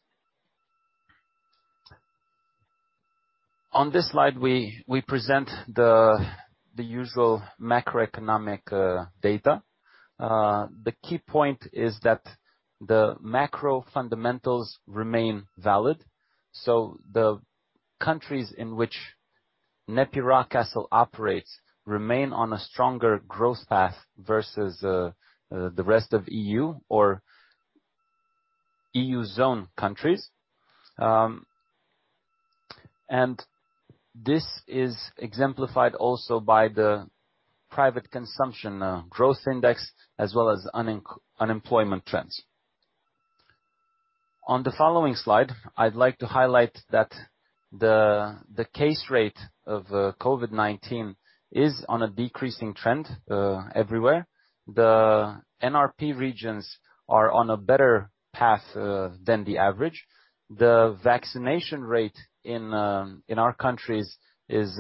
Speaker 1: On this slide, we present the usual macroeconomic data. The key point is that the macro fundamentals remain valid. The countries in which NEPI Rockcastle operates remain on a stronger growth path versus the rest of E.U. or E.U. Zone countries. This is exemplified also by the private consumption growth index as well as unemployment trends. On the following slide, I'd like to highlight that the case rate of COVID-19 is on a decreasing trend everywhere. The [NRP] regions are on a better path than the average. The vaccination rate in our countries is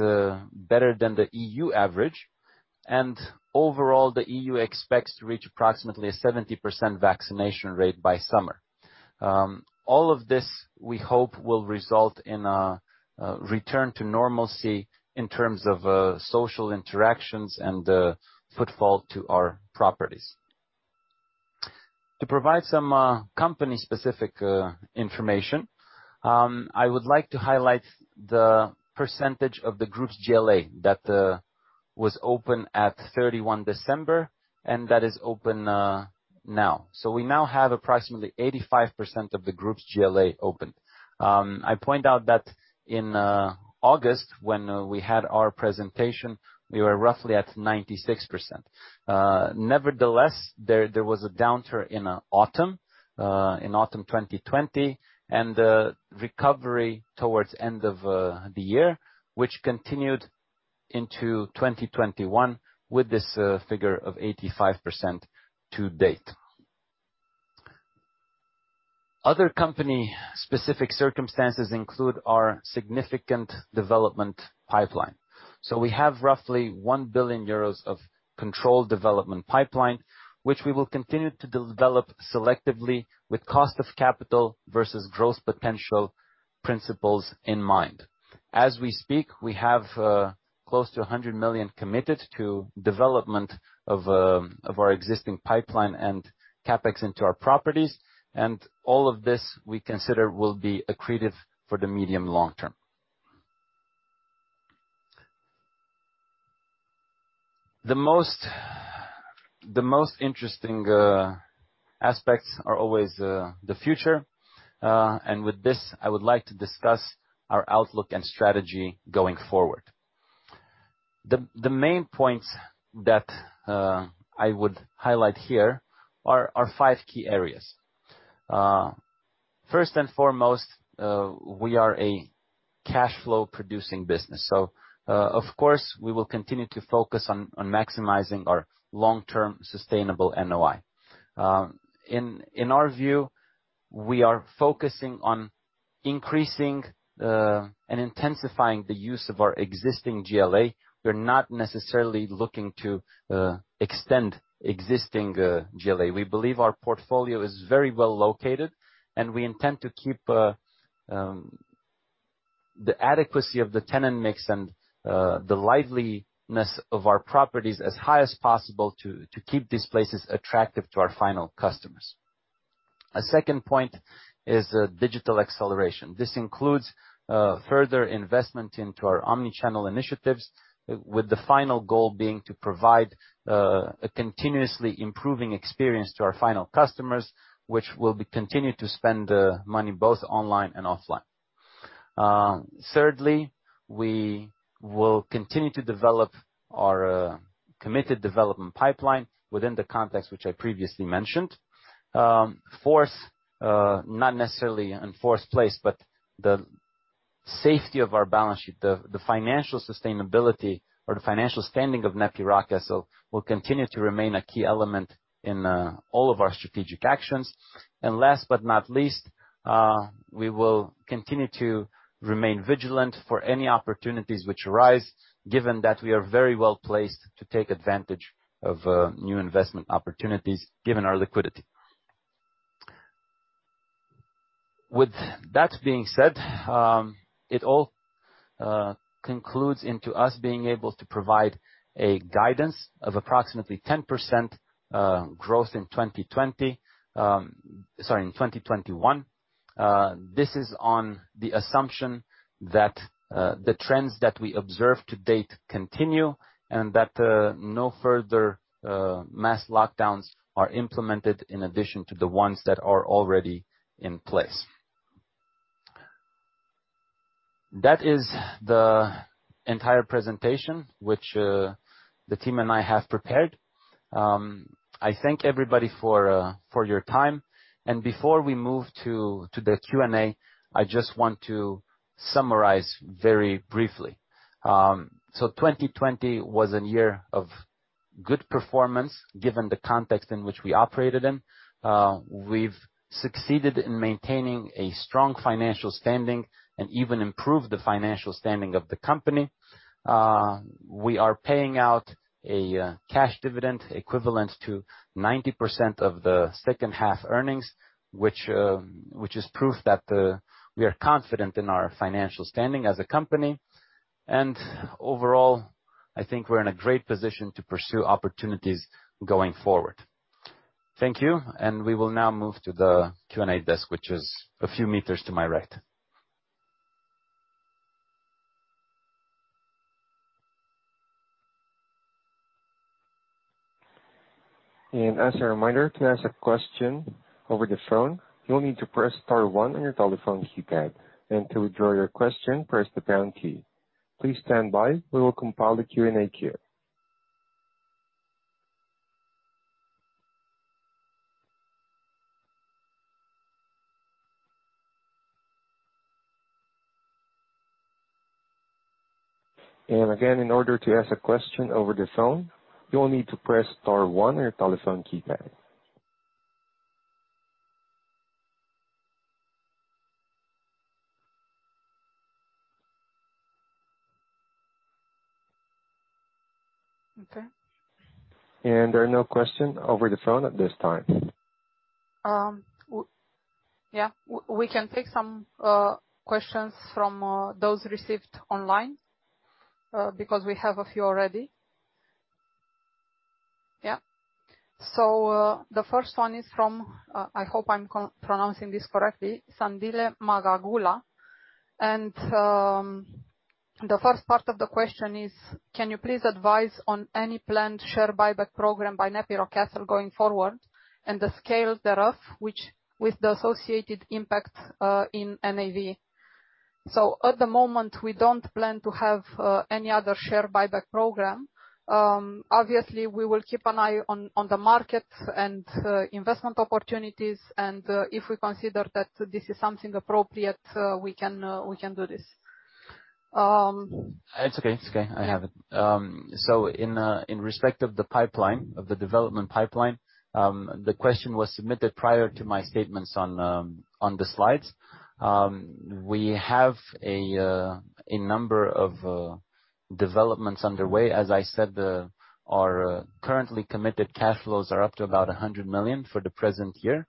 Speaker 1: better than the E.U. average. Overall, the E.U. expects to reach approximately 70% vaccination rate by summer. All of this, we hope, will result in a return to normalcy in terms of social interactions and footfall to our properties. To provide some company specific information, I would like to highlight the percentage of the group's GLA that was open at December 31 and that is open now. We now have approximately 85% of the group's GLA open. I point out that in August, when we had our presentation, we were roughly at 96%. Nevertheless, there was a downturn in autumn 2020, recovery towards end of the year, which continued into 2021 with this figure of 85% to date. Other company specific circumstances include our significant development pipeline. We have roughly 1 billion euros of controlled development pipeline, which we will continue to develop selectively with cost of capital versus growth potential principles in mind. As we speak, we have close to 100 million committed to development of our existing pipeline and CapEx into our properties, all of this, we consider, will be accretive for the medium long term. The most interesting aspects are always the future. With this, I would like to discuss our outlook and strategy going forward. The main points that I would highlight here are five key areas. First and foremost, we are a cash flow producing business, so of course, we will continue to focus on maximizing our long-term sustainable NOI. In our view, we are focusing on increasing and intensifying the use of our existing GLA. We are not necessarily looking to extend existing GLA. We believe our portfolio is very well located, and we intend to keep the adequacy of the tenant mix and the liveliness of our properties as high as possible to keep these places attractive to our final customers. A second point is digital acceleration. This includes further investment into our omni-channel initiatives, with the final goal being to provide a continuously improving experience to our final customers, which will continue to spend money both online and offline. Thirdly, we will continue to develop our committed development pipeline within the context which I previously mentioned. Fourth, not necessarily in fourth place, but the safety of our balance sheet, the financial sustainability or the financial standing of NEPI Rockcastle will continue to remain a key element in all of our strategic actions. Last but not least, we will continue to remain vigilant for any opportunities which arise, given that we are very well-placed to take advantage of new investment opportunities, given our liquidity. With that being said, it all concludes into us being able to provide a guidance of approximately 10% growth in 2020. Sorry, in 2021. This is on the assumption that the trends that we observe to date continue, and that no further mass lockdowns are implemented in addition to the ones that are already in place. That is the entire presentation which the team and I have prepared. I thank everybody for your time. Before we move to the Q&A, I just want to summarize very briefly. 2020 was a year of good performance, given the context in which we operated in. We've succeeded in maintaining a strong financial standing and even improved the financial standing of the company. We are paying out a cash dividend equivalent to 90% of the second half earnings, which is proof that we are confident in our financial standing as a company. Overall, I think we're in a great position to pursue opportunities going forward. Thank you, and we will now move to the Q&A desk, which is a few meters to my right.
Speaker 4: As a reminder, to ask a question over the phone, you'll need to press star one on your telephone keypad. To withdraw your question, press the pound key. Please stand by. We will compile the Q&A queue. Again, in order to ask a question over the phone, you will need to press star one on your telephone keypad.
Speaker 3: Okay.
Speaker 4: There are no questions over the phone at this time.
Speaker 3: We can take some questions from those received online, because we have a few already. Yeah. The first one is from, I hope I'm pronouncing this correctly, Sandile Magagula. The first part of the question is, can you please advise on any planned share buyback program by NEPI Rockcastle going forward, and the scale thereof, with the associated impact in NAV? At the moment, we don't plan to have any other share buyback program. Obviously, we will keep an eye on the market and investment opportunities, and if we consider that this is something appropriate, we can do this.
Speaker 1: It's okay. I have it. In respect of the development pipeline, the question was submitted prior to my statements on the slides. We have a number of developments underway. As I said, our currently committed cash flows are up to about 100 million for the present year.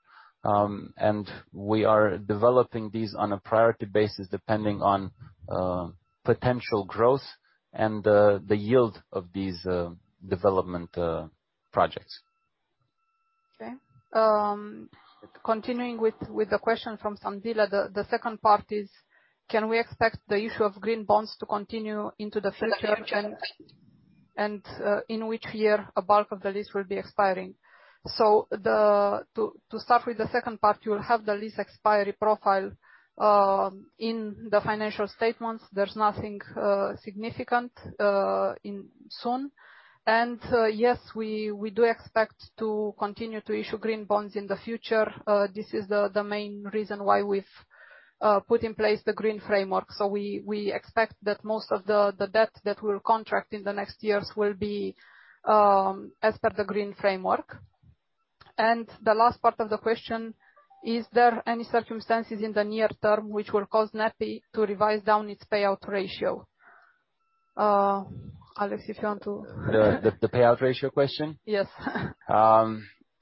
Speaker 1: We are developing these on a priority basis, depending on potential growth and the yield of these development projects.
Speaker 3: Okay. Continuing with the question from Sandile. The second part is, can we expect the issue of green bonds to continue into the future? In which year a bulk of the lease will be expiring? To start with the second part, you'll have the lease expiry profile in the financial statements. There's nothing significant soon. Yes, we do expect to continue to issue green bonds in the future. This is the main reason why we've put in place the green framework. We expect that most of the debt that we'll contract in the next years will be as per the green framework. The last part of the question, is there any circumstances in the near term which will cause NEPI to revise down its payout ratio? Alex, if you want to-
Speaker 1: The payout ratio question?
Speaker 3: Yes.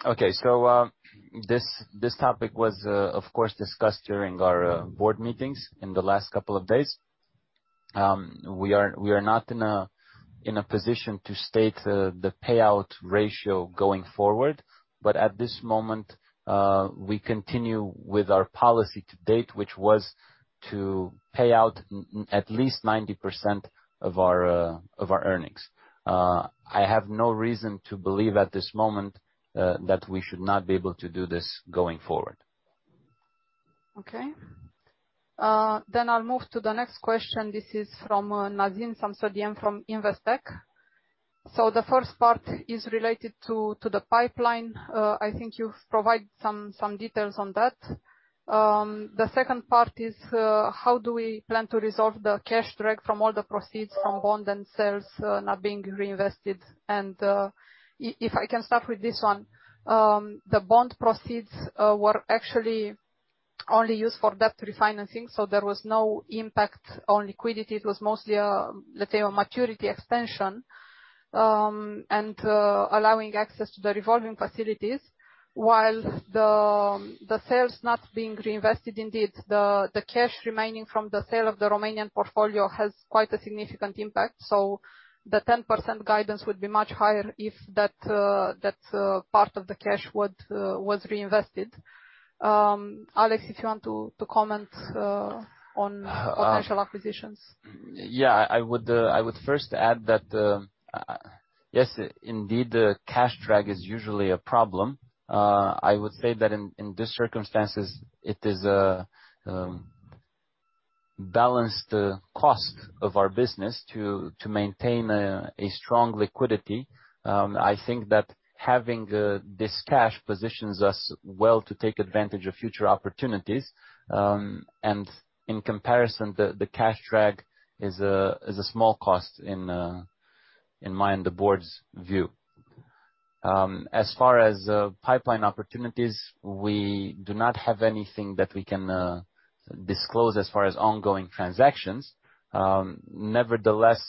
Speaker 1: Okay. This topic was, of course, discussed during our board meetings in the last couple of days. We are not in a position to state the payout ratio going forward, but at this moment, we continue with our policy to date, which was to pay out at least 90% of our earnings. I have no reason to believe at this moment that we should not be able to do this going forward.
Speaker 3: Okay. I'll move to the next question. This is from Nazeem Samsodien from Investec. The first part is related to the pipeline. I think you've provided some details on that. The second part is, how do we plan to resolve the cash drag from all the proceeds from bond and sales not being reinvested? If I can start with this one, the bond proceeds were actually only used for debt refinancing, so there was no impact on liquidity. It was mostly, let's say, a maturity extension, and allowing access to the revolving facilities. While the sales not being reinvested, indeed, the cash remaining from the sale of the Romanian portfolio has quite a significant impact. The 10% guidance would be much higher if that part of the cash was reinvested. Alex, if you want to comment on potential acquisitions.
Speaker 1: I would first add that, yes, indeed, the cash drag is usually a problem. I would say that in these circumstances, it is a balanced cost of our business to maintain a strong liquidity. I think that having this cash positions us well to take advantage of future opportunities. In comparison, the cash drag is a small cost in my and the board's view. As far as pipeline opportunities, we do not have anything that we can disclose as far as ongoing transactions. Nevertheless,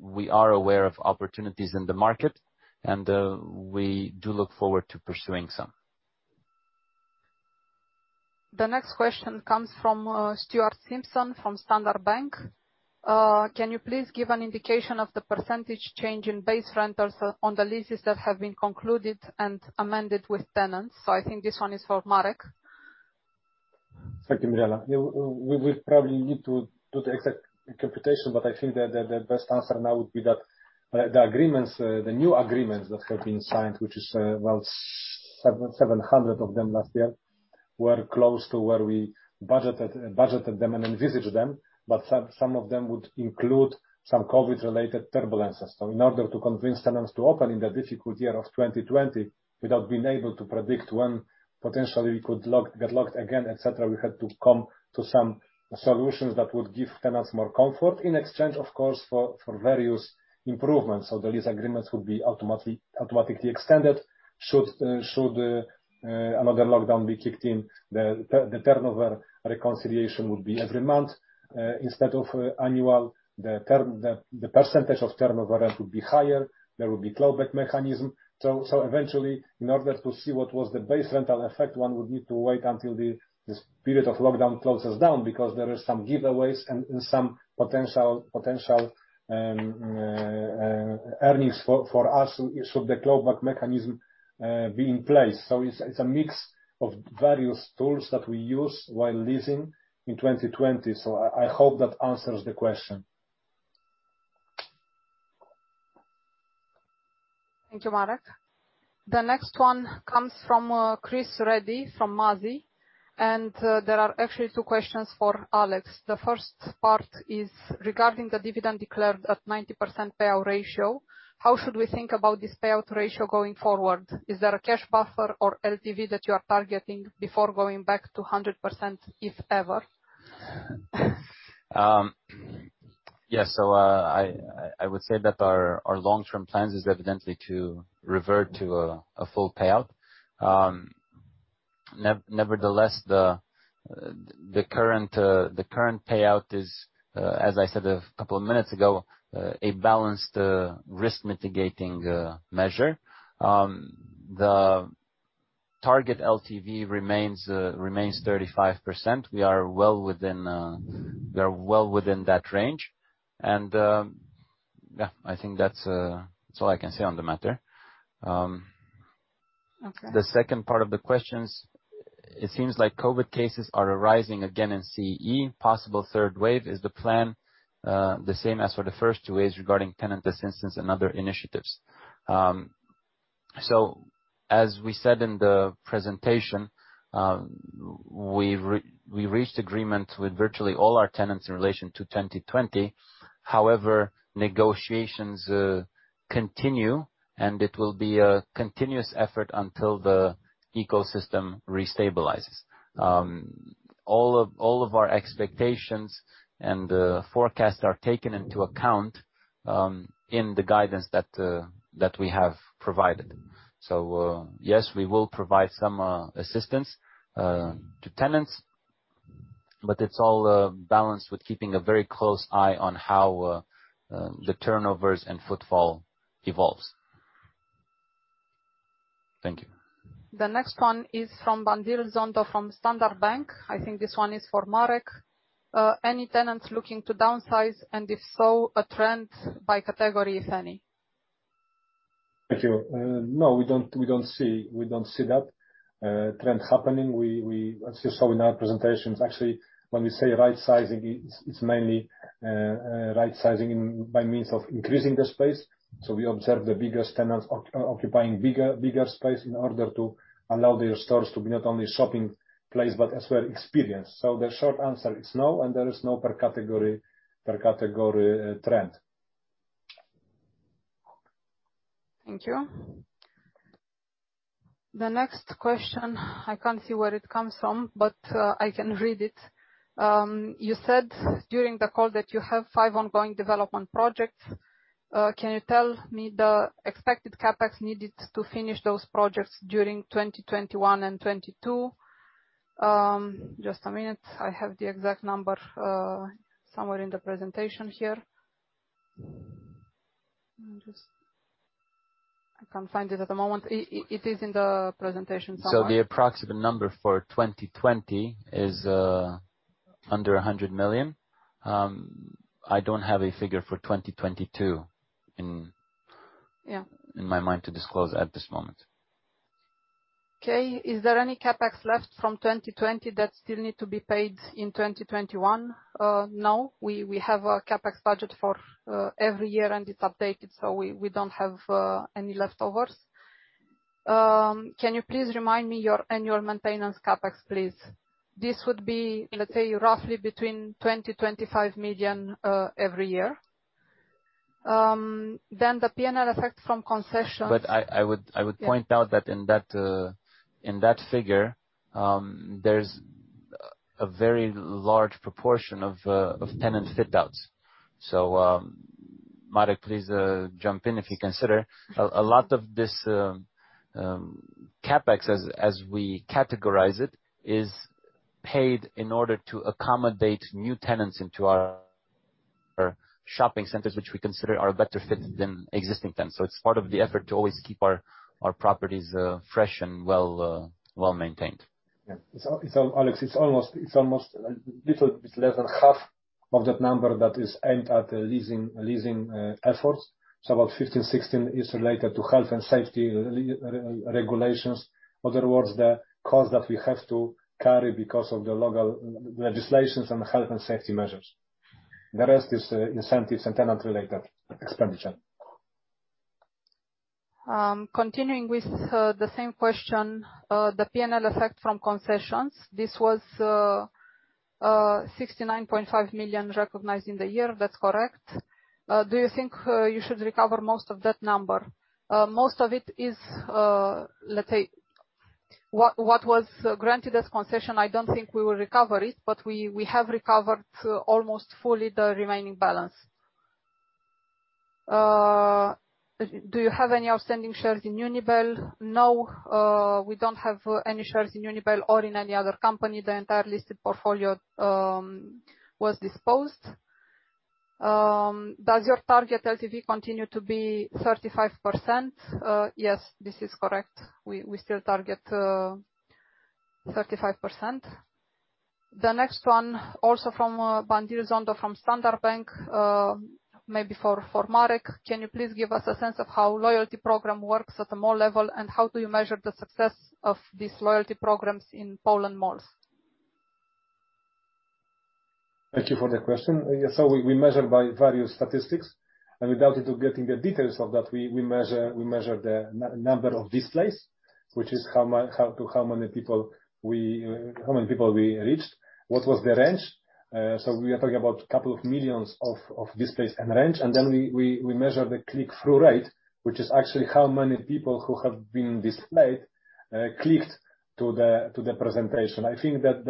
Speaker 1: we are aware of opportunities in the market, and we do look forward to pursuing some.
Speaker 3: The next question comes from Stuart Simpson from Standard Bank. Can you please give an indication of the percentage change in base rentals on the leases that have been concluded and amended with tenants? I think this one is for Marek.
Speaker 2: Thank you, Mirela. We will probably need to do the exact computation, but I think the best answer now would be that the new agreements that have been signed, which is about 700 of them last year, were close to where we budgeted them and envisaged them, but some of them would include some COVID related turbulences. In order to convince tenants to open in the difficult year of 2020, without being able to predict when potentially we could get locked again, et cetera, we had to come to some solutions that would give tenants more comfort in exchange, of course, for various improvements. The lease agreements would be automatically extended should another lockdown be kicked in. The turnover reconciliation would be every month, instead of annual. The percentage of turnover rent would be higher. There would be clawback mechanism. Eventually, in order to see what was the base rental effect, one would need to wait until this period of lockdown closes down, because there is some giveaways and some potential earnings for us should the claw back mechanism be in place. It's a mix of various tools that we use while leasing in 2020. I hope that answers the question.
Speaker 3: Thank you, Marek. The next one comes from Chris Reddy from Mazi, and there are actually two questions for Alex. The first part is regarding the dividend declared at 90% payout ratio. How should we think about this payout ratio going forward? Is there a cash buffer or LTV that you are targeting before going back to 100%, if ever?
Speaker 1: Yes, I would say that our long-term plans is evidently to revert to a full payout. Nevertheless, the current payout is, as I said a couple of minutes ago, a balanced risk mitigating measure. The target LTV remains 35%. We are well within that range. Yeah, I think that's all I can say on the matter.
Speaker 3: Okay.
Speaker 1: The second part of the questions, it seems like COVID cases are arising again in CEE. Possible third wave. Is the plan the same as for the first two waves regarding tenant assistance and other initiatives? As we said in the presentation, we reached agreement with virtually all our tenants in relation to 2020. However, negotiations continue, and it will be a continuous effort until the ecosystem restabilizes. All of our expectations and forecasts are taken into account, in the guidance that we have provided. Yes, we will provide some assistance to tenants, but it's all balanced with keeping a very close eye on how the turnovers and footfall evolves. Thank you.
Speaker 3: The next one is from Bandile Zondo from Standard Bank. I think this one is for Marek. Any tenants looking to downsize, and if so, a trend by category, if any?
Speaker 2: Thank you. No, we don't see that trend happening. As you saw in our presentations, actually, when we say rightsizing, it's mainly rightsizing by means of increasing the space. We observe the biggest tenants occupying bigger space in order to allow their stores to be not only shopping place, but as well experience. The short answer is no, and there is no per category trend.
Speaker 3: Thank you. The next question, I can't see where it comes from, but I can read it. You said during the call that you have five ongoing development projects. Can you tell me the expected CapEx needed to finish those projects during 2021 and 2022? Just a minute. I have the exact number somewhere in the presentation here. I can't find it at the moment. It is in the presentation somewhere.
Speaker 1: The approximate number for 2020 is under 100 million. I don't have a figure for 2022.
Speaker 3: Yeah.
Speaker 1: In my mind to disclose at this moment.
Speaker 3: Okay. Is there any CapEx left from 2020 that still need to be paid in 2021? No, we have a CapEx budget for every year, and it's updated. We don't have any leftovers. Can you please remind me your annual maintenance CapEx, please? This would be, let's say, roughly between 20 million-25 million every year. The P&L effect from concessions.
Speaker 1: I would point out that in that figure, there's a very large proportion of tenant fit outs. Marek, please jump in if you consider. A lot of this CapEx, as we categorize it, is paid in order to accommodate new tenants into our shopping centers, which we consider are a better fit than existing tenants. It's part of the effort to always keep our properties fresh and well maintained.
Speaker 2: Yeah. Alex, it's almost a little bit less than 1/2 of that number that is aimed at leasing efforts. About 15, 16 is related to health and safety regulations. In other words, the cost that we have to carry because of the local legislations and health and safety measures. The rest is incentives and tenant-related expenditure.
Speaker 3: Continuing with the same question, the P&L effect from concessions, this was 69.5 million recognized in the year. That's correct. Do you think you should recover most of that number? Most of it is, let's say, what was granted as concession, I don't think we will recover it, but we have recovered almost fully the remaining balance. Do you have any outstanding shares in Unibail? No, we don't have any shares in Unibail or in any other company. The entire listed portfolio was disposed. Does your target LTV continue to be 35%? Yes, this is correct. We still target 35%. The next one, also from Bandile Zondo from Standard Bank, maybe for Marek. Can you please give us a sense of how loyalty program works at a mall level, and how do you measure the success of these loyalty programs in Poland malls?
Speaker 2: Thank you for the question. We measure by various statistics, and without into getting the details of that, we measure the number of displays, which is how many people we reached. What was the range? We are talking about couple of millions of displays and range. We measure the click-through rate, which is actually how many people who have been displayed, clicked to the presentation. I think that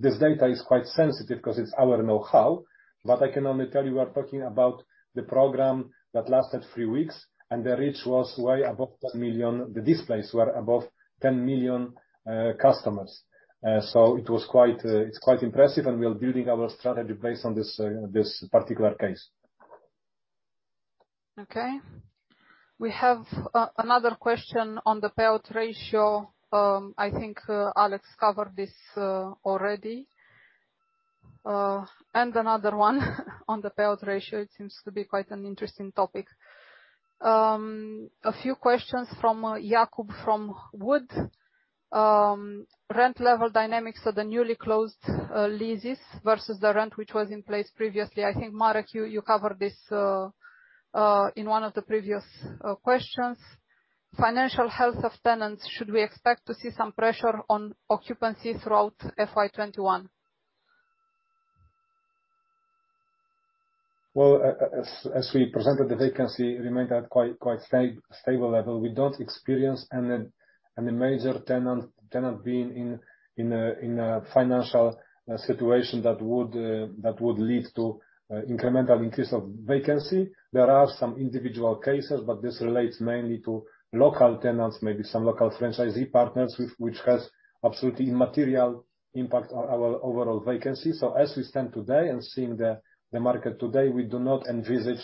Speaker 2: this data is quite sensitive because it's our know-how, but I can only tell you we are talking about the program that lasted three weeks, and the reach was way above 10 million. The displays were above 10 million customers. It's quite impressive, and we are building our strategy based on this particular case.
Speaker 3: Okay. We have another question on the payout ratio. I think Alex covered this already. Another one on the payout ratio. It seems to be quite an interesting topic. A few questions from Jakub, from WOOD. Rent level dynamics of the newly closed leases versus the rent which was in place previously. I think Marek, you covered this in one of the previous questions. Financial health of tenants, should we expect to see some pressure on occupancy throughout FY 2021?
Speaker 2: As we presented, the vacancy remained at quite stable level. We don't experience any major tenant being in a financial situation that would lead to incremental increase of vacancy. There are some individual cases, but this relates mainly to local tenants, maybe some local franchisee partners, which has absolutely immaterial impact on our overall vacancy. As we stand today and seeing the market today, we do not envisage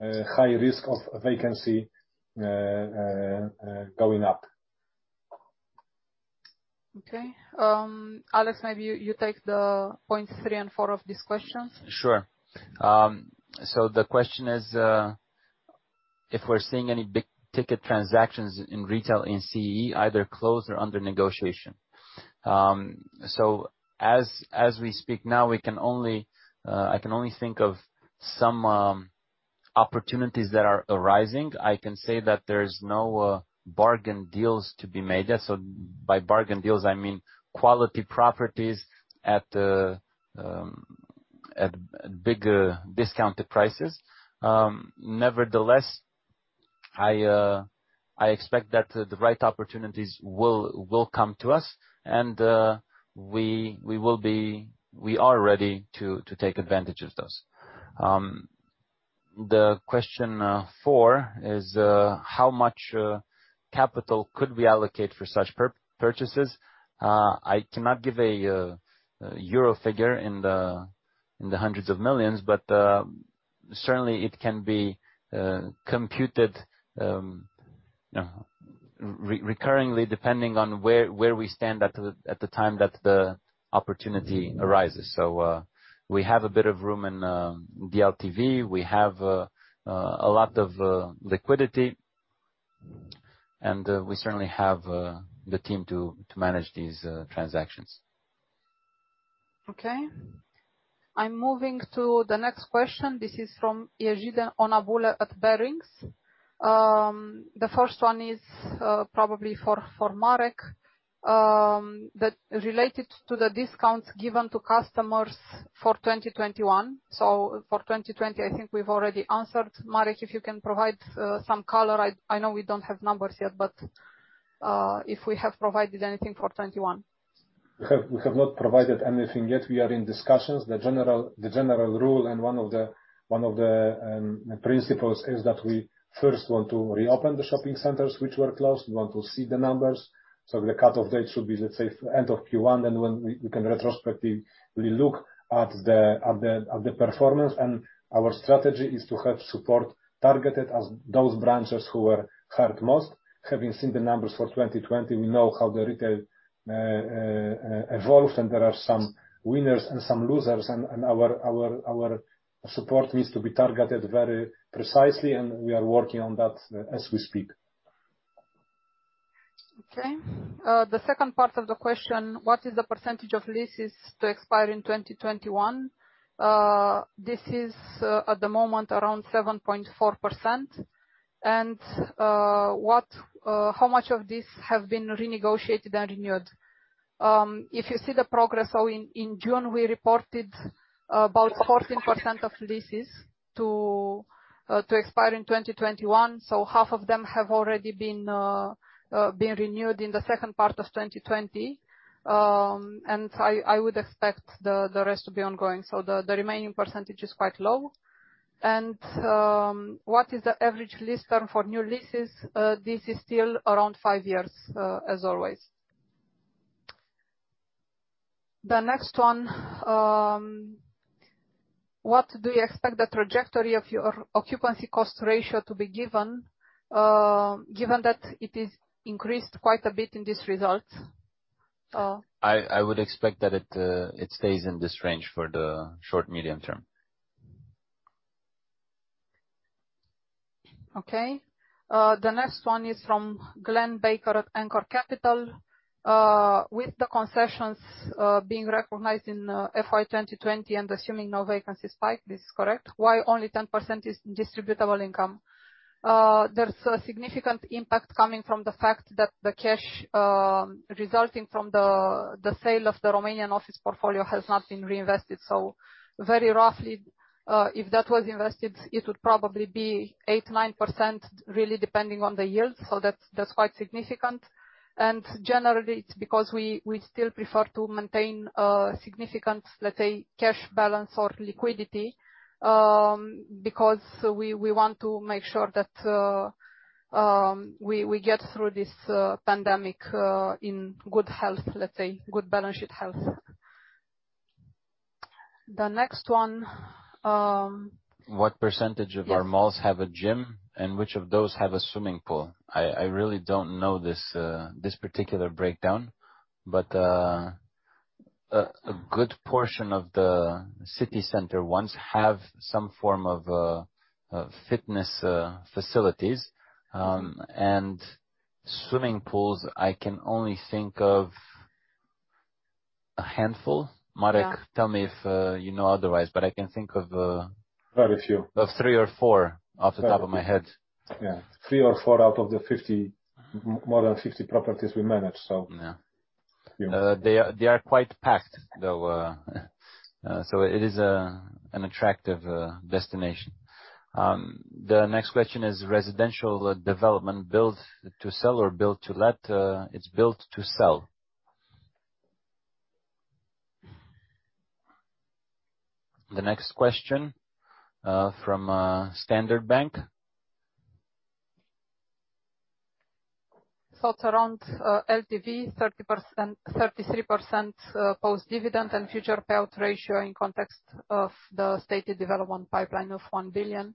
Speaker 2: high risk of vacancy going up.
Speaker 3: Okay. Alex, maybe you take the points three and four of this question.
Speaker 1: Sure. The question is, if we're seeing any big-ticket transactions in retail in CEE, either closed or under negotiation. As we speak now, I can only think of some opportunities that are arising. I can say that there's no bargain deals to be made yet. By bargain deals, I mean quality properties at bigger discounted prices. Nevertheless, I expect that the right opportunities will come to us and we are ready to take advantage of those. The question four is, how much capital could we allocate for such purchases? I cannot give a euro figure in the hundreds of millions, but certainly it can be computed recurringly depending on where we stand at the time that the opportunity arises. We have a bit of room in the LTV. We have a lot of liquidity, and we certainly have the team to manage these transactions.
Speaker 3: Okay. I'm moving to the next question. This is from [Ejiden Onabule] at Barings. The first one is probably for Marek, that related to the discounts given to customers for 2021. For 2020, I think we've already answered. Marek, if you can provide some color. I know we don't have numbers yet, but if we have provided anything for 2021.
Speaker 2: We have not provided anything yet. We are in discussions. The general rule and one of the principles is that we first want to reopen the shopping centers which were closed. We want to see the numbers. The cutoff date should be, let's say, end of Q1. When we can retrospectively look at the performance, and our strategy is to have support targeted as those branches who were hurt most. Having seen the numbers for 2020, we know how the retail evolved, and there are some winners and some losers, and our support needs to be targeted very precisely, and we are working on that as we speak.
Speaker 3: Okay. The second part of the question, what is the percentage of leases to expire in 2021? This is, at the moment, around 7.4%. How much of this have been renegotiated and renewed? If you see the progress, in June, we reported about 14% of leases to expire in 2021. Half of them have already been renewed in the second part of 2020. I would expect the rest to be ongoing. The remaining percentage is quite low. What is the average lease term for new leases? This is still around five years, as always. The next one, what do you expect the trajectory of your occupancy cost ratio to be given that it is increased quite a bit in this result?
Speaker 1: I would expect that it stays in this range for the short, medium term.
Speaker 3: Okay. The next one is from Glenn Baker at Anchor Capital. With the concessions being recognized in FY 2020 and assuming no vacancy spike, this is correct, why only 10% is distributable income? There's a significant impact coming from the fact that the cash resulting from the sale of the Romanian office portfolio has not been reinvested. Very roughly, if that was invested, it would probably be 8%, 9%, really depending on the yield. That's quite significant. Generally, it's because we still prefer to maintain a significant, let's say, cash balance or liquidity, because we want to make sure that we get through this pandemic in good health, let's say, good balance she+++et health. The next one-
Speaker 1: What percentage of our malls have a gym, and which of those have a swimming pool? I really don't know this particular breakdown. A good portion of the city center ones have some form of fitness facilities. Swimming pools, I can only think of a handful.
Speaker 3: Yeah.
Speaker 1: Marek, tell me if you know otherwise.
Speaker 2: Very few.
Speaker 1: Of three or four off the top of my head.
Speaker 2: Yeah. Three or four out of the more than 50 properties we manage.
Speaker 1: Yeah. They are quite packed, though, so it is an attractive destination. The next question is residential development build to sell or build to let? It is built to sell. The next question from Standard Bank.
Speaker 3: Around LTV, 33% post-dividend and future payout ratio in context of the stated development pipeline of 1 billion.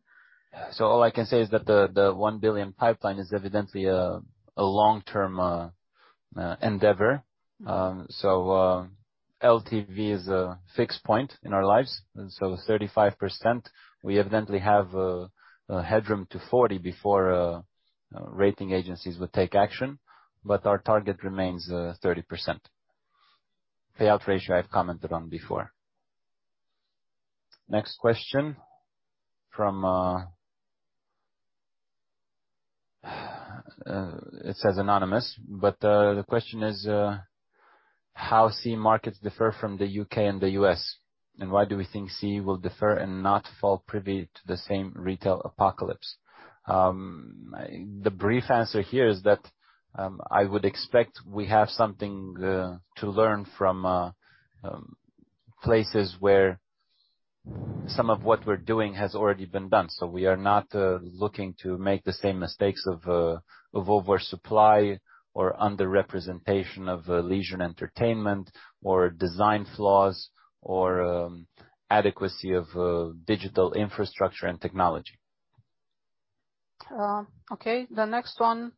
Speaker 1: All I can say is that the 1 billion pipeline is evidently a long-term endeavor. LTV is a fixed point in our lives, and so 35%, we evidently have a headroom to 40 before rating agencies would take action, but our target remains 30%. Payout ratio I've commented on before. Next question from, it says anonymous, but the question is, how CEE markets differ from the U.K. and the U.S., and why do we think CEE will differ and not fall privy to the same retail apocalypse? The brief answer here is that I would expect we have something to learn from places where some of what we're doing has already been done. We are not looking to make the same mistakes of oversupply or under-representation of leisure and entertainment, or design flaws, or adequacy of digital infrastructure and technology.
Speaker 3: Okay. The next one.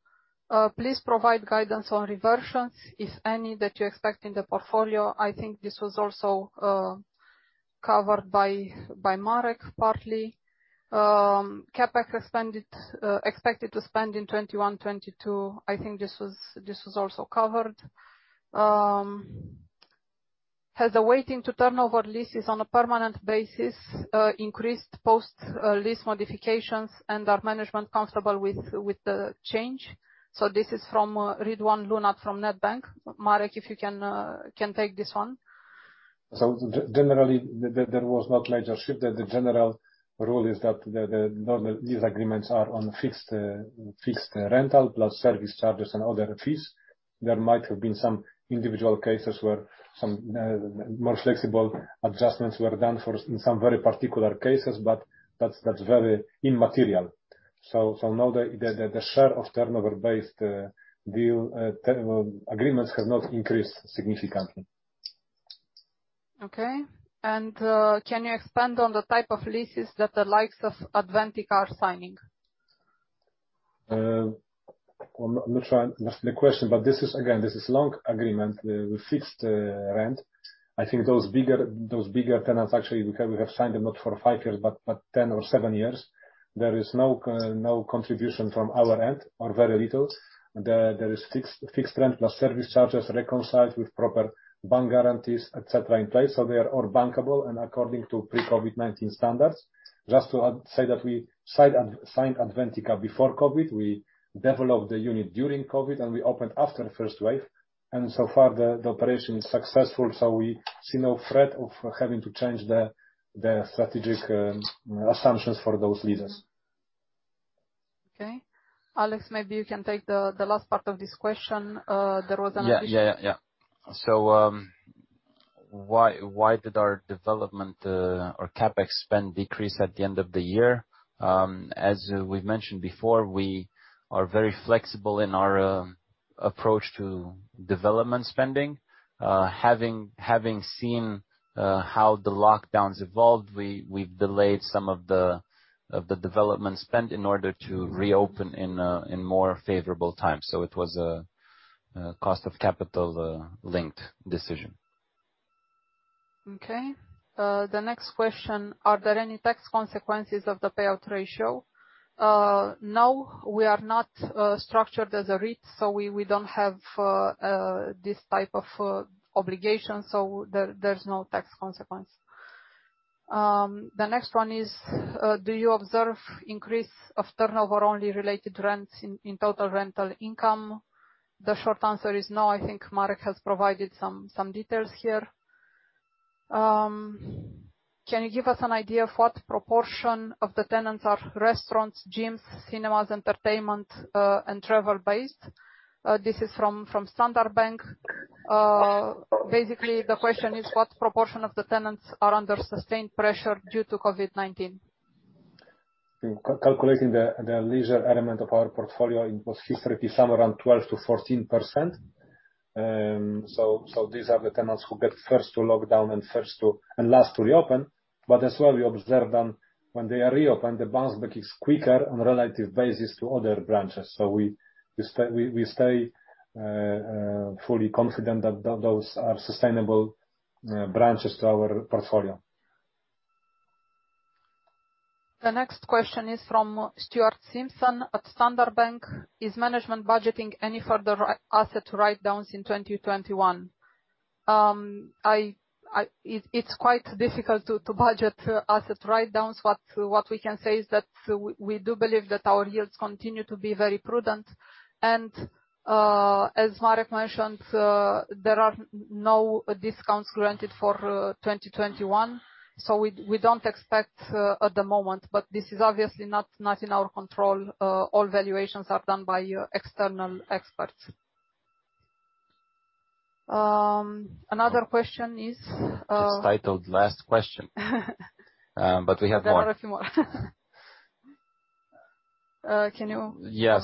Speaker 3: Please provide guidance on reversions, if any, that you expect in the portfolio. I think this was also covered by Marek, partly. CapEx expected to spend in 2021, 2022. I think this was also covered. Has the waiting to turnover leases on a permanent basis increased post lease modification, and are management comfortable with the change? This is from Ridwaan Lunat from Nedbank. Marek, if you can take this one.
Speaker 2: Generally, there was no major shift. The general rule is that these agreements are on fixed rental plus service charges and other fees. There might have been some individual cases where some more flexible adjustments were done in some very particular cases, but that's very immaterial. No, the share of turnover-based agreements has not increased significantly.
Speaker 3: Okay. Can you expand on the type of leases that the likes of Adventica are signing?
Speaker 2: I'm not sure I understand the question. This is, again, long agreement with fixed rent. I think those bigger tenants, actually, we have signed them not for five years, but 10 or seven years. There is no contribution from our end or very little. There is fixed rent plus service charges reconciled with proper bank guarantees, et cetera, in place. They are all bankable and according to pre-COVID-19 standards. Just to add, say that we signed Adventica before COVID, we developed the unit during COVID, and we opened after the first wave. So far, the operation is successful. We see no threat of having to change the strategic assumptions for those leases.
Speaker 3: Okay. Alex, maybe you can take the last part of this question. There was an addition.
Speaker 1: Yeah. Why did our development or CapEx spend decrease at the end of the year? As we've mentioned before, we are very flexible in our approach to development spending. Having seen how the lockdowns evolved, we've delayed some of the development spend in order to reopen in more favorable times. It was a cost of capital linked decision.
Speaker 3: The next question, are there any tax consequences of the payout ratio? No, we are not structured as a REIT, so we don't have this type of obligation, so there's no tax consequence. The next one is do you observe increase of turnover only related rents in total rental income? The short answer is no. I think Marek has provided some details here. Can you give us an idea of what proportion of the tenants are restaurants, gyms, cinemas, entertainment, and travel-based? This is from Standard Bank. Basically, the question is, what proportion of the tenants are under sustained pressure due to COVID-19?
Speaker 2: Calculating the leisure element of our portfolio, it was historically somewhere around 12%-14%. These are the tenants who get first to lock down and last to reopen. As well, we observe them when they are reopened, the bounce back is quicker on relative basis to other branches. We stay fully confident that those are sustainable branches to our portfolio.
Speaker 3: The next question is from Stuart Simpson at Standard Bank. Is management budgeting any further asset write-downs in 2021? It's quite difficult to budget asset write-downs. What we can say is that we do believe that our yields continue to be very prudent. As Marek mentioned, there are no discounts granted for 2021, we don't expect at the moment. This is obviously not in our control. All valuations are done by external experts. Another question is.
Speaker 1: It's titled last question. We have more.
Speaker 3: There are a few more. Can you?
Speaker 1: Yeah.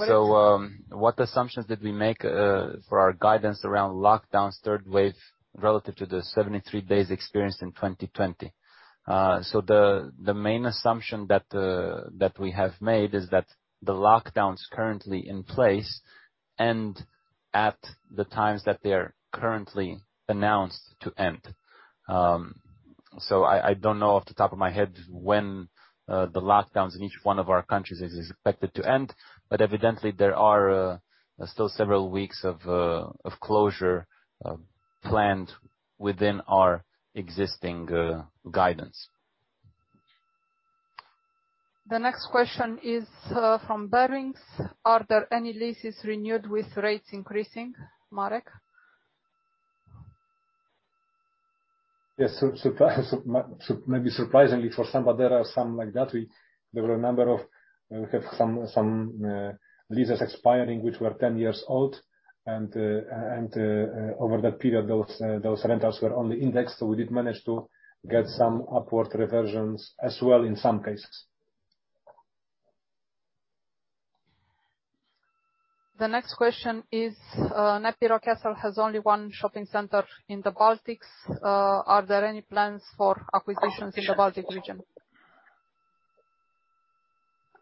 Speaker 1: What assumptions did we make for our guidance around lockdowns, third wave, relative to the 73 days experienced in 2020? The main assumption that we have made is that the lockdowns currently in place end at the times that they're currently announced to end. I don't know off the top of my head when the lockdowns in each one of our countries is expected to end, but evidently there are still several weeks of closure planned within our existing guidance.
Speaker 3: The next question is from Barings. Are there any leases renewed with rates increasing? Marek?
Speaker 2: Yes. Maybe surprisingly for some, there are some like that. We have some leases expiring which were 10 years old. Over that period, those rentals were only indexed. We did manage to get some upward reversions as well in some cases.
Speaker 3: The next question is, NEPI Rockcastle has only one shopping center in the Baltics. Are there any plans for acquisitions in the Baltic region?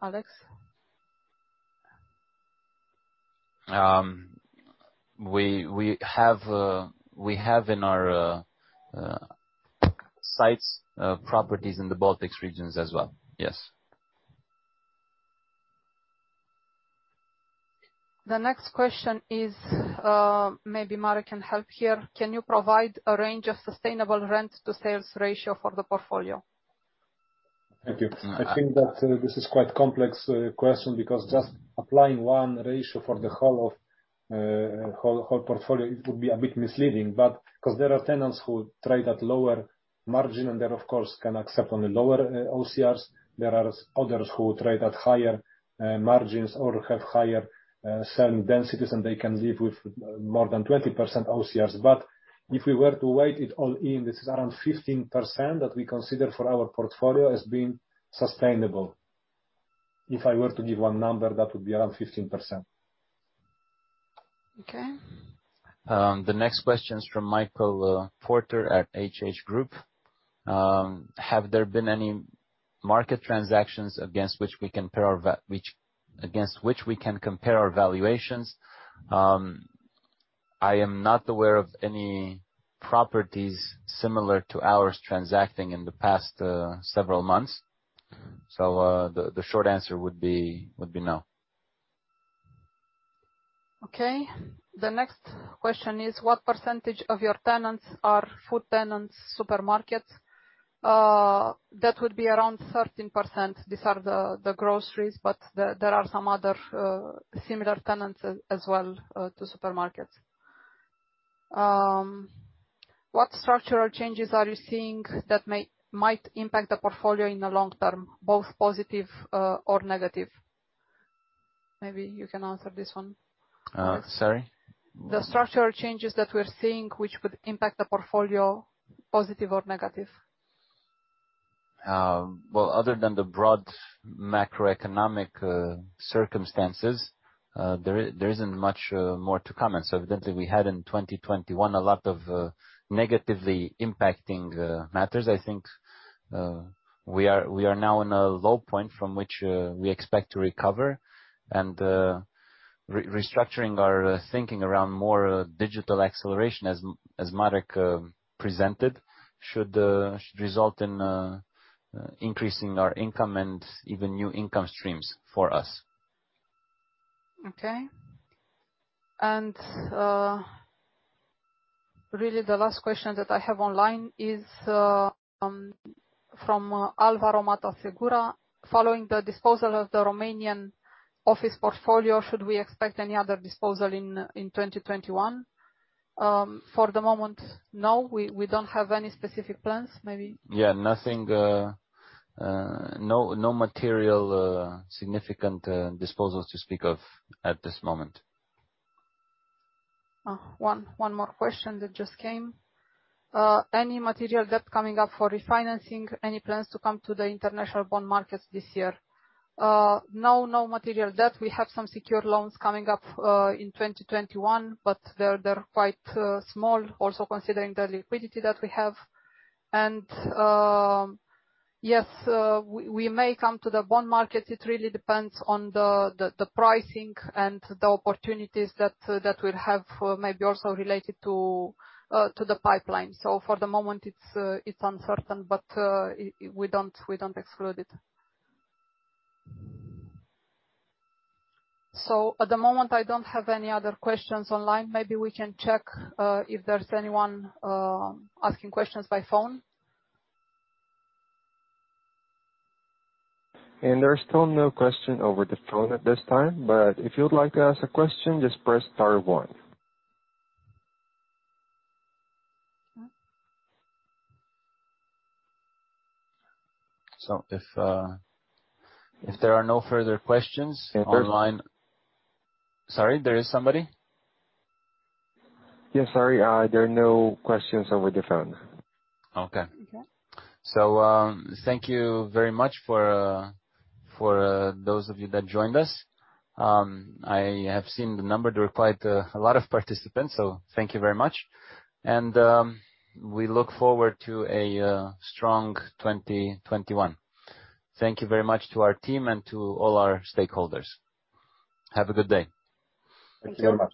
Speaker 3: Alex?
Speaker 1: We have in our site's properties in the Baltics regions as well. Yes.
Speaker 3: The next question is, maybe Marek can help here. Can you provide a range of sustainable rent to sales ratio for the portfolio?
Speaker 2: Thank you. I think that this is quite complex question because just applying one ratio for the whole portfolio, it would be a bit misleading. There are tenants who trade at lower margin and they, of course, can accept only lower OCRs. There are others who trade at higher margins or have higher certain densities, and they can live with more than 20% OCRs. If we were to weight it all in, this is around 15% that we consider for our portfolio as being sustainable. If I were to give one number, that would be around 15%.
Speaker 3: Okay.
Speaker 1: The next question is from Michael Porter at HH Group. Have there been any market transactions against which we can compare our valuations? I am not aware of any properties similar to ours transacting in the past several months. The short answer would be no.
Speaker 3: Okay. The next question is, what % of your tenants are food tenants, supermarkets? That would be around 13%. These are the groceries, but there are some other similar tenants as well to supermarkets. What structural changes are you seeing that might impact the portfolio in the long term, both positive or negative? Maybe you can answer this one.
Speaker 1: Sorry?
Speaker 3: The structural changes that we're seeing which would impact the portfolio, positive or negative.
Speaker 1: Other than the broad macroeconomic circumstances, there isn't much more to comment. Evidently, we had in 2021 a lot of negatively impacting matters. I think we are now in a low point from which we expect to recover, and restructuring our thinking around more digital acceleration, as Marek presented, should result in increasing our income and even new income streams for us.
Speaker 3: Okay. Really the last question that I have online is from Alvaro Mata Segura. Following the disposal of the Romanian office portfolio, should we expect any other disposal in 2021? For the moment, no, we don't have any specific plans.
Speaker 1: Yeah, nothing, no material significant disposals to speak of at this moment.
Speaker 3: One more question that just came. Any material debt coming up for refinancing? Any plans to come to the international bond markets this year? No material debt. We have some secured loans coming up in 2021, but they're quite small, also considering the liquidity that we have. Yes, we may come to the bond market. It really depends on the pricing and the opportunities that we'll have maybe also related to the pipeline. For the moment it's uncertain, but we don't exclude it. At the moment, I don't have any other questions online. Maybe we can check if there's anyone asking questions by phone.
Speaker 4: There's still no question over the phone at this time. If you'd like to ask a question, just press star one.
Speaker 3: Okay.
Speaker 1: If there are no further questions online.
Speaker 4: There's-
Speaker 1: Sorry, there is somebody?
Speaker 4: Yes, sorry. There are no questions over the phone.
Speaker 1: Okay.
Speaker 3: Okay.
Speaker 1: Thank you very much for those of you that joined us. I have seen the number. There were quite a lot of participants, thank you very much. We look forward to a strong 2021. Thank you very much to our team and to all our stakeholders. Have a good day.
Speaker 2: Thank you very much.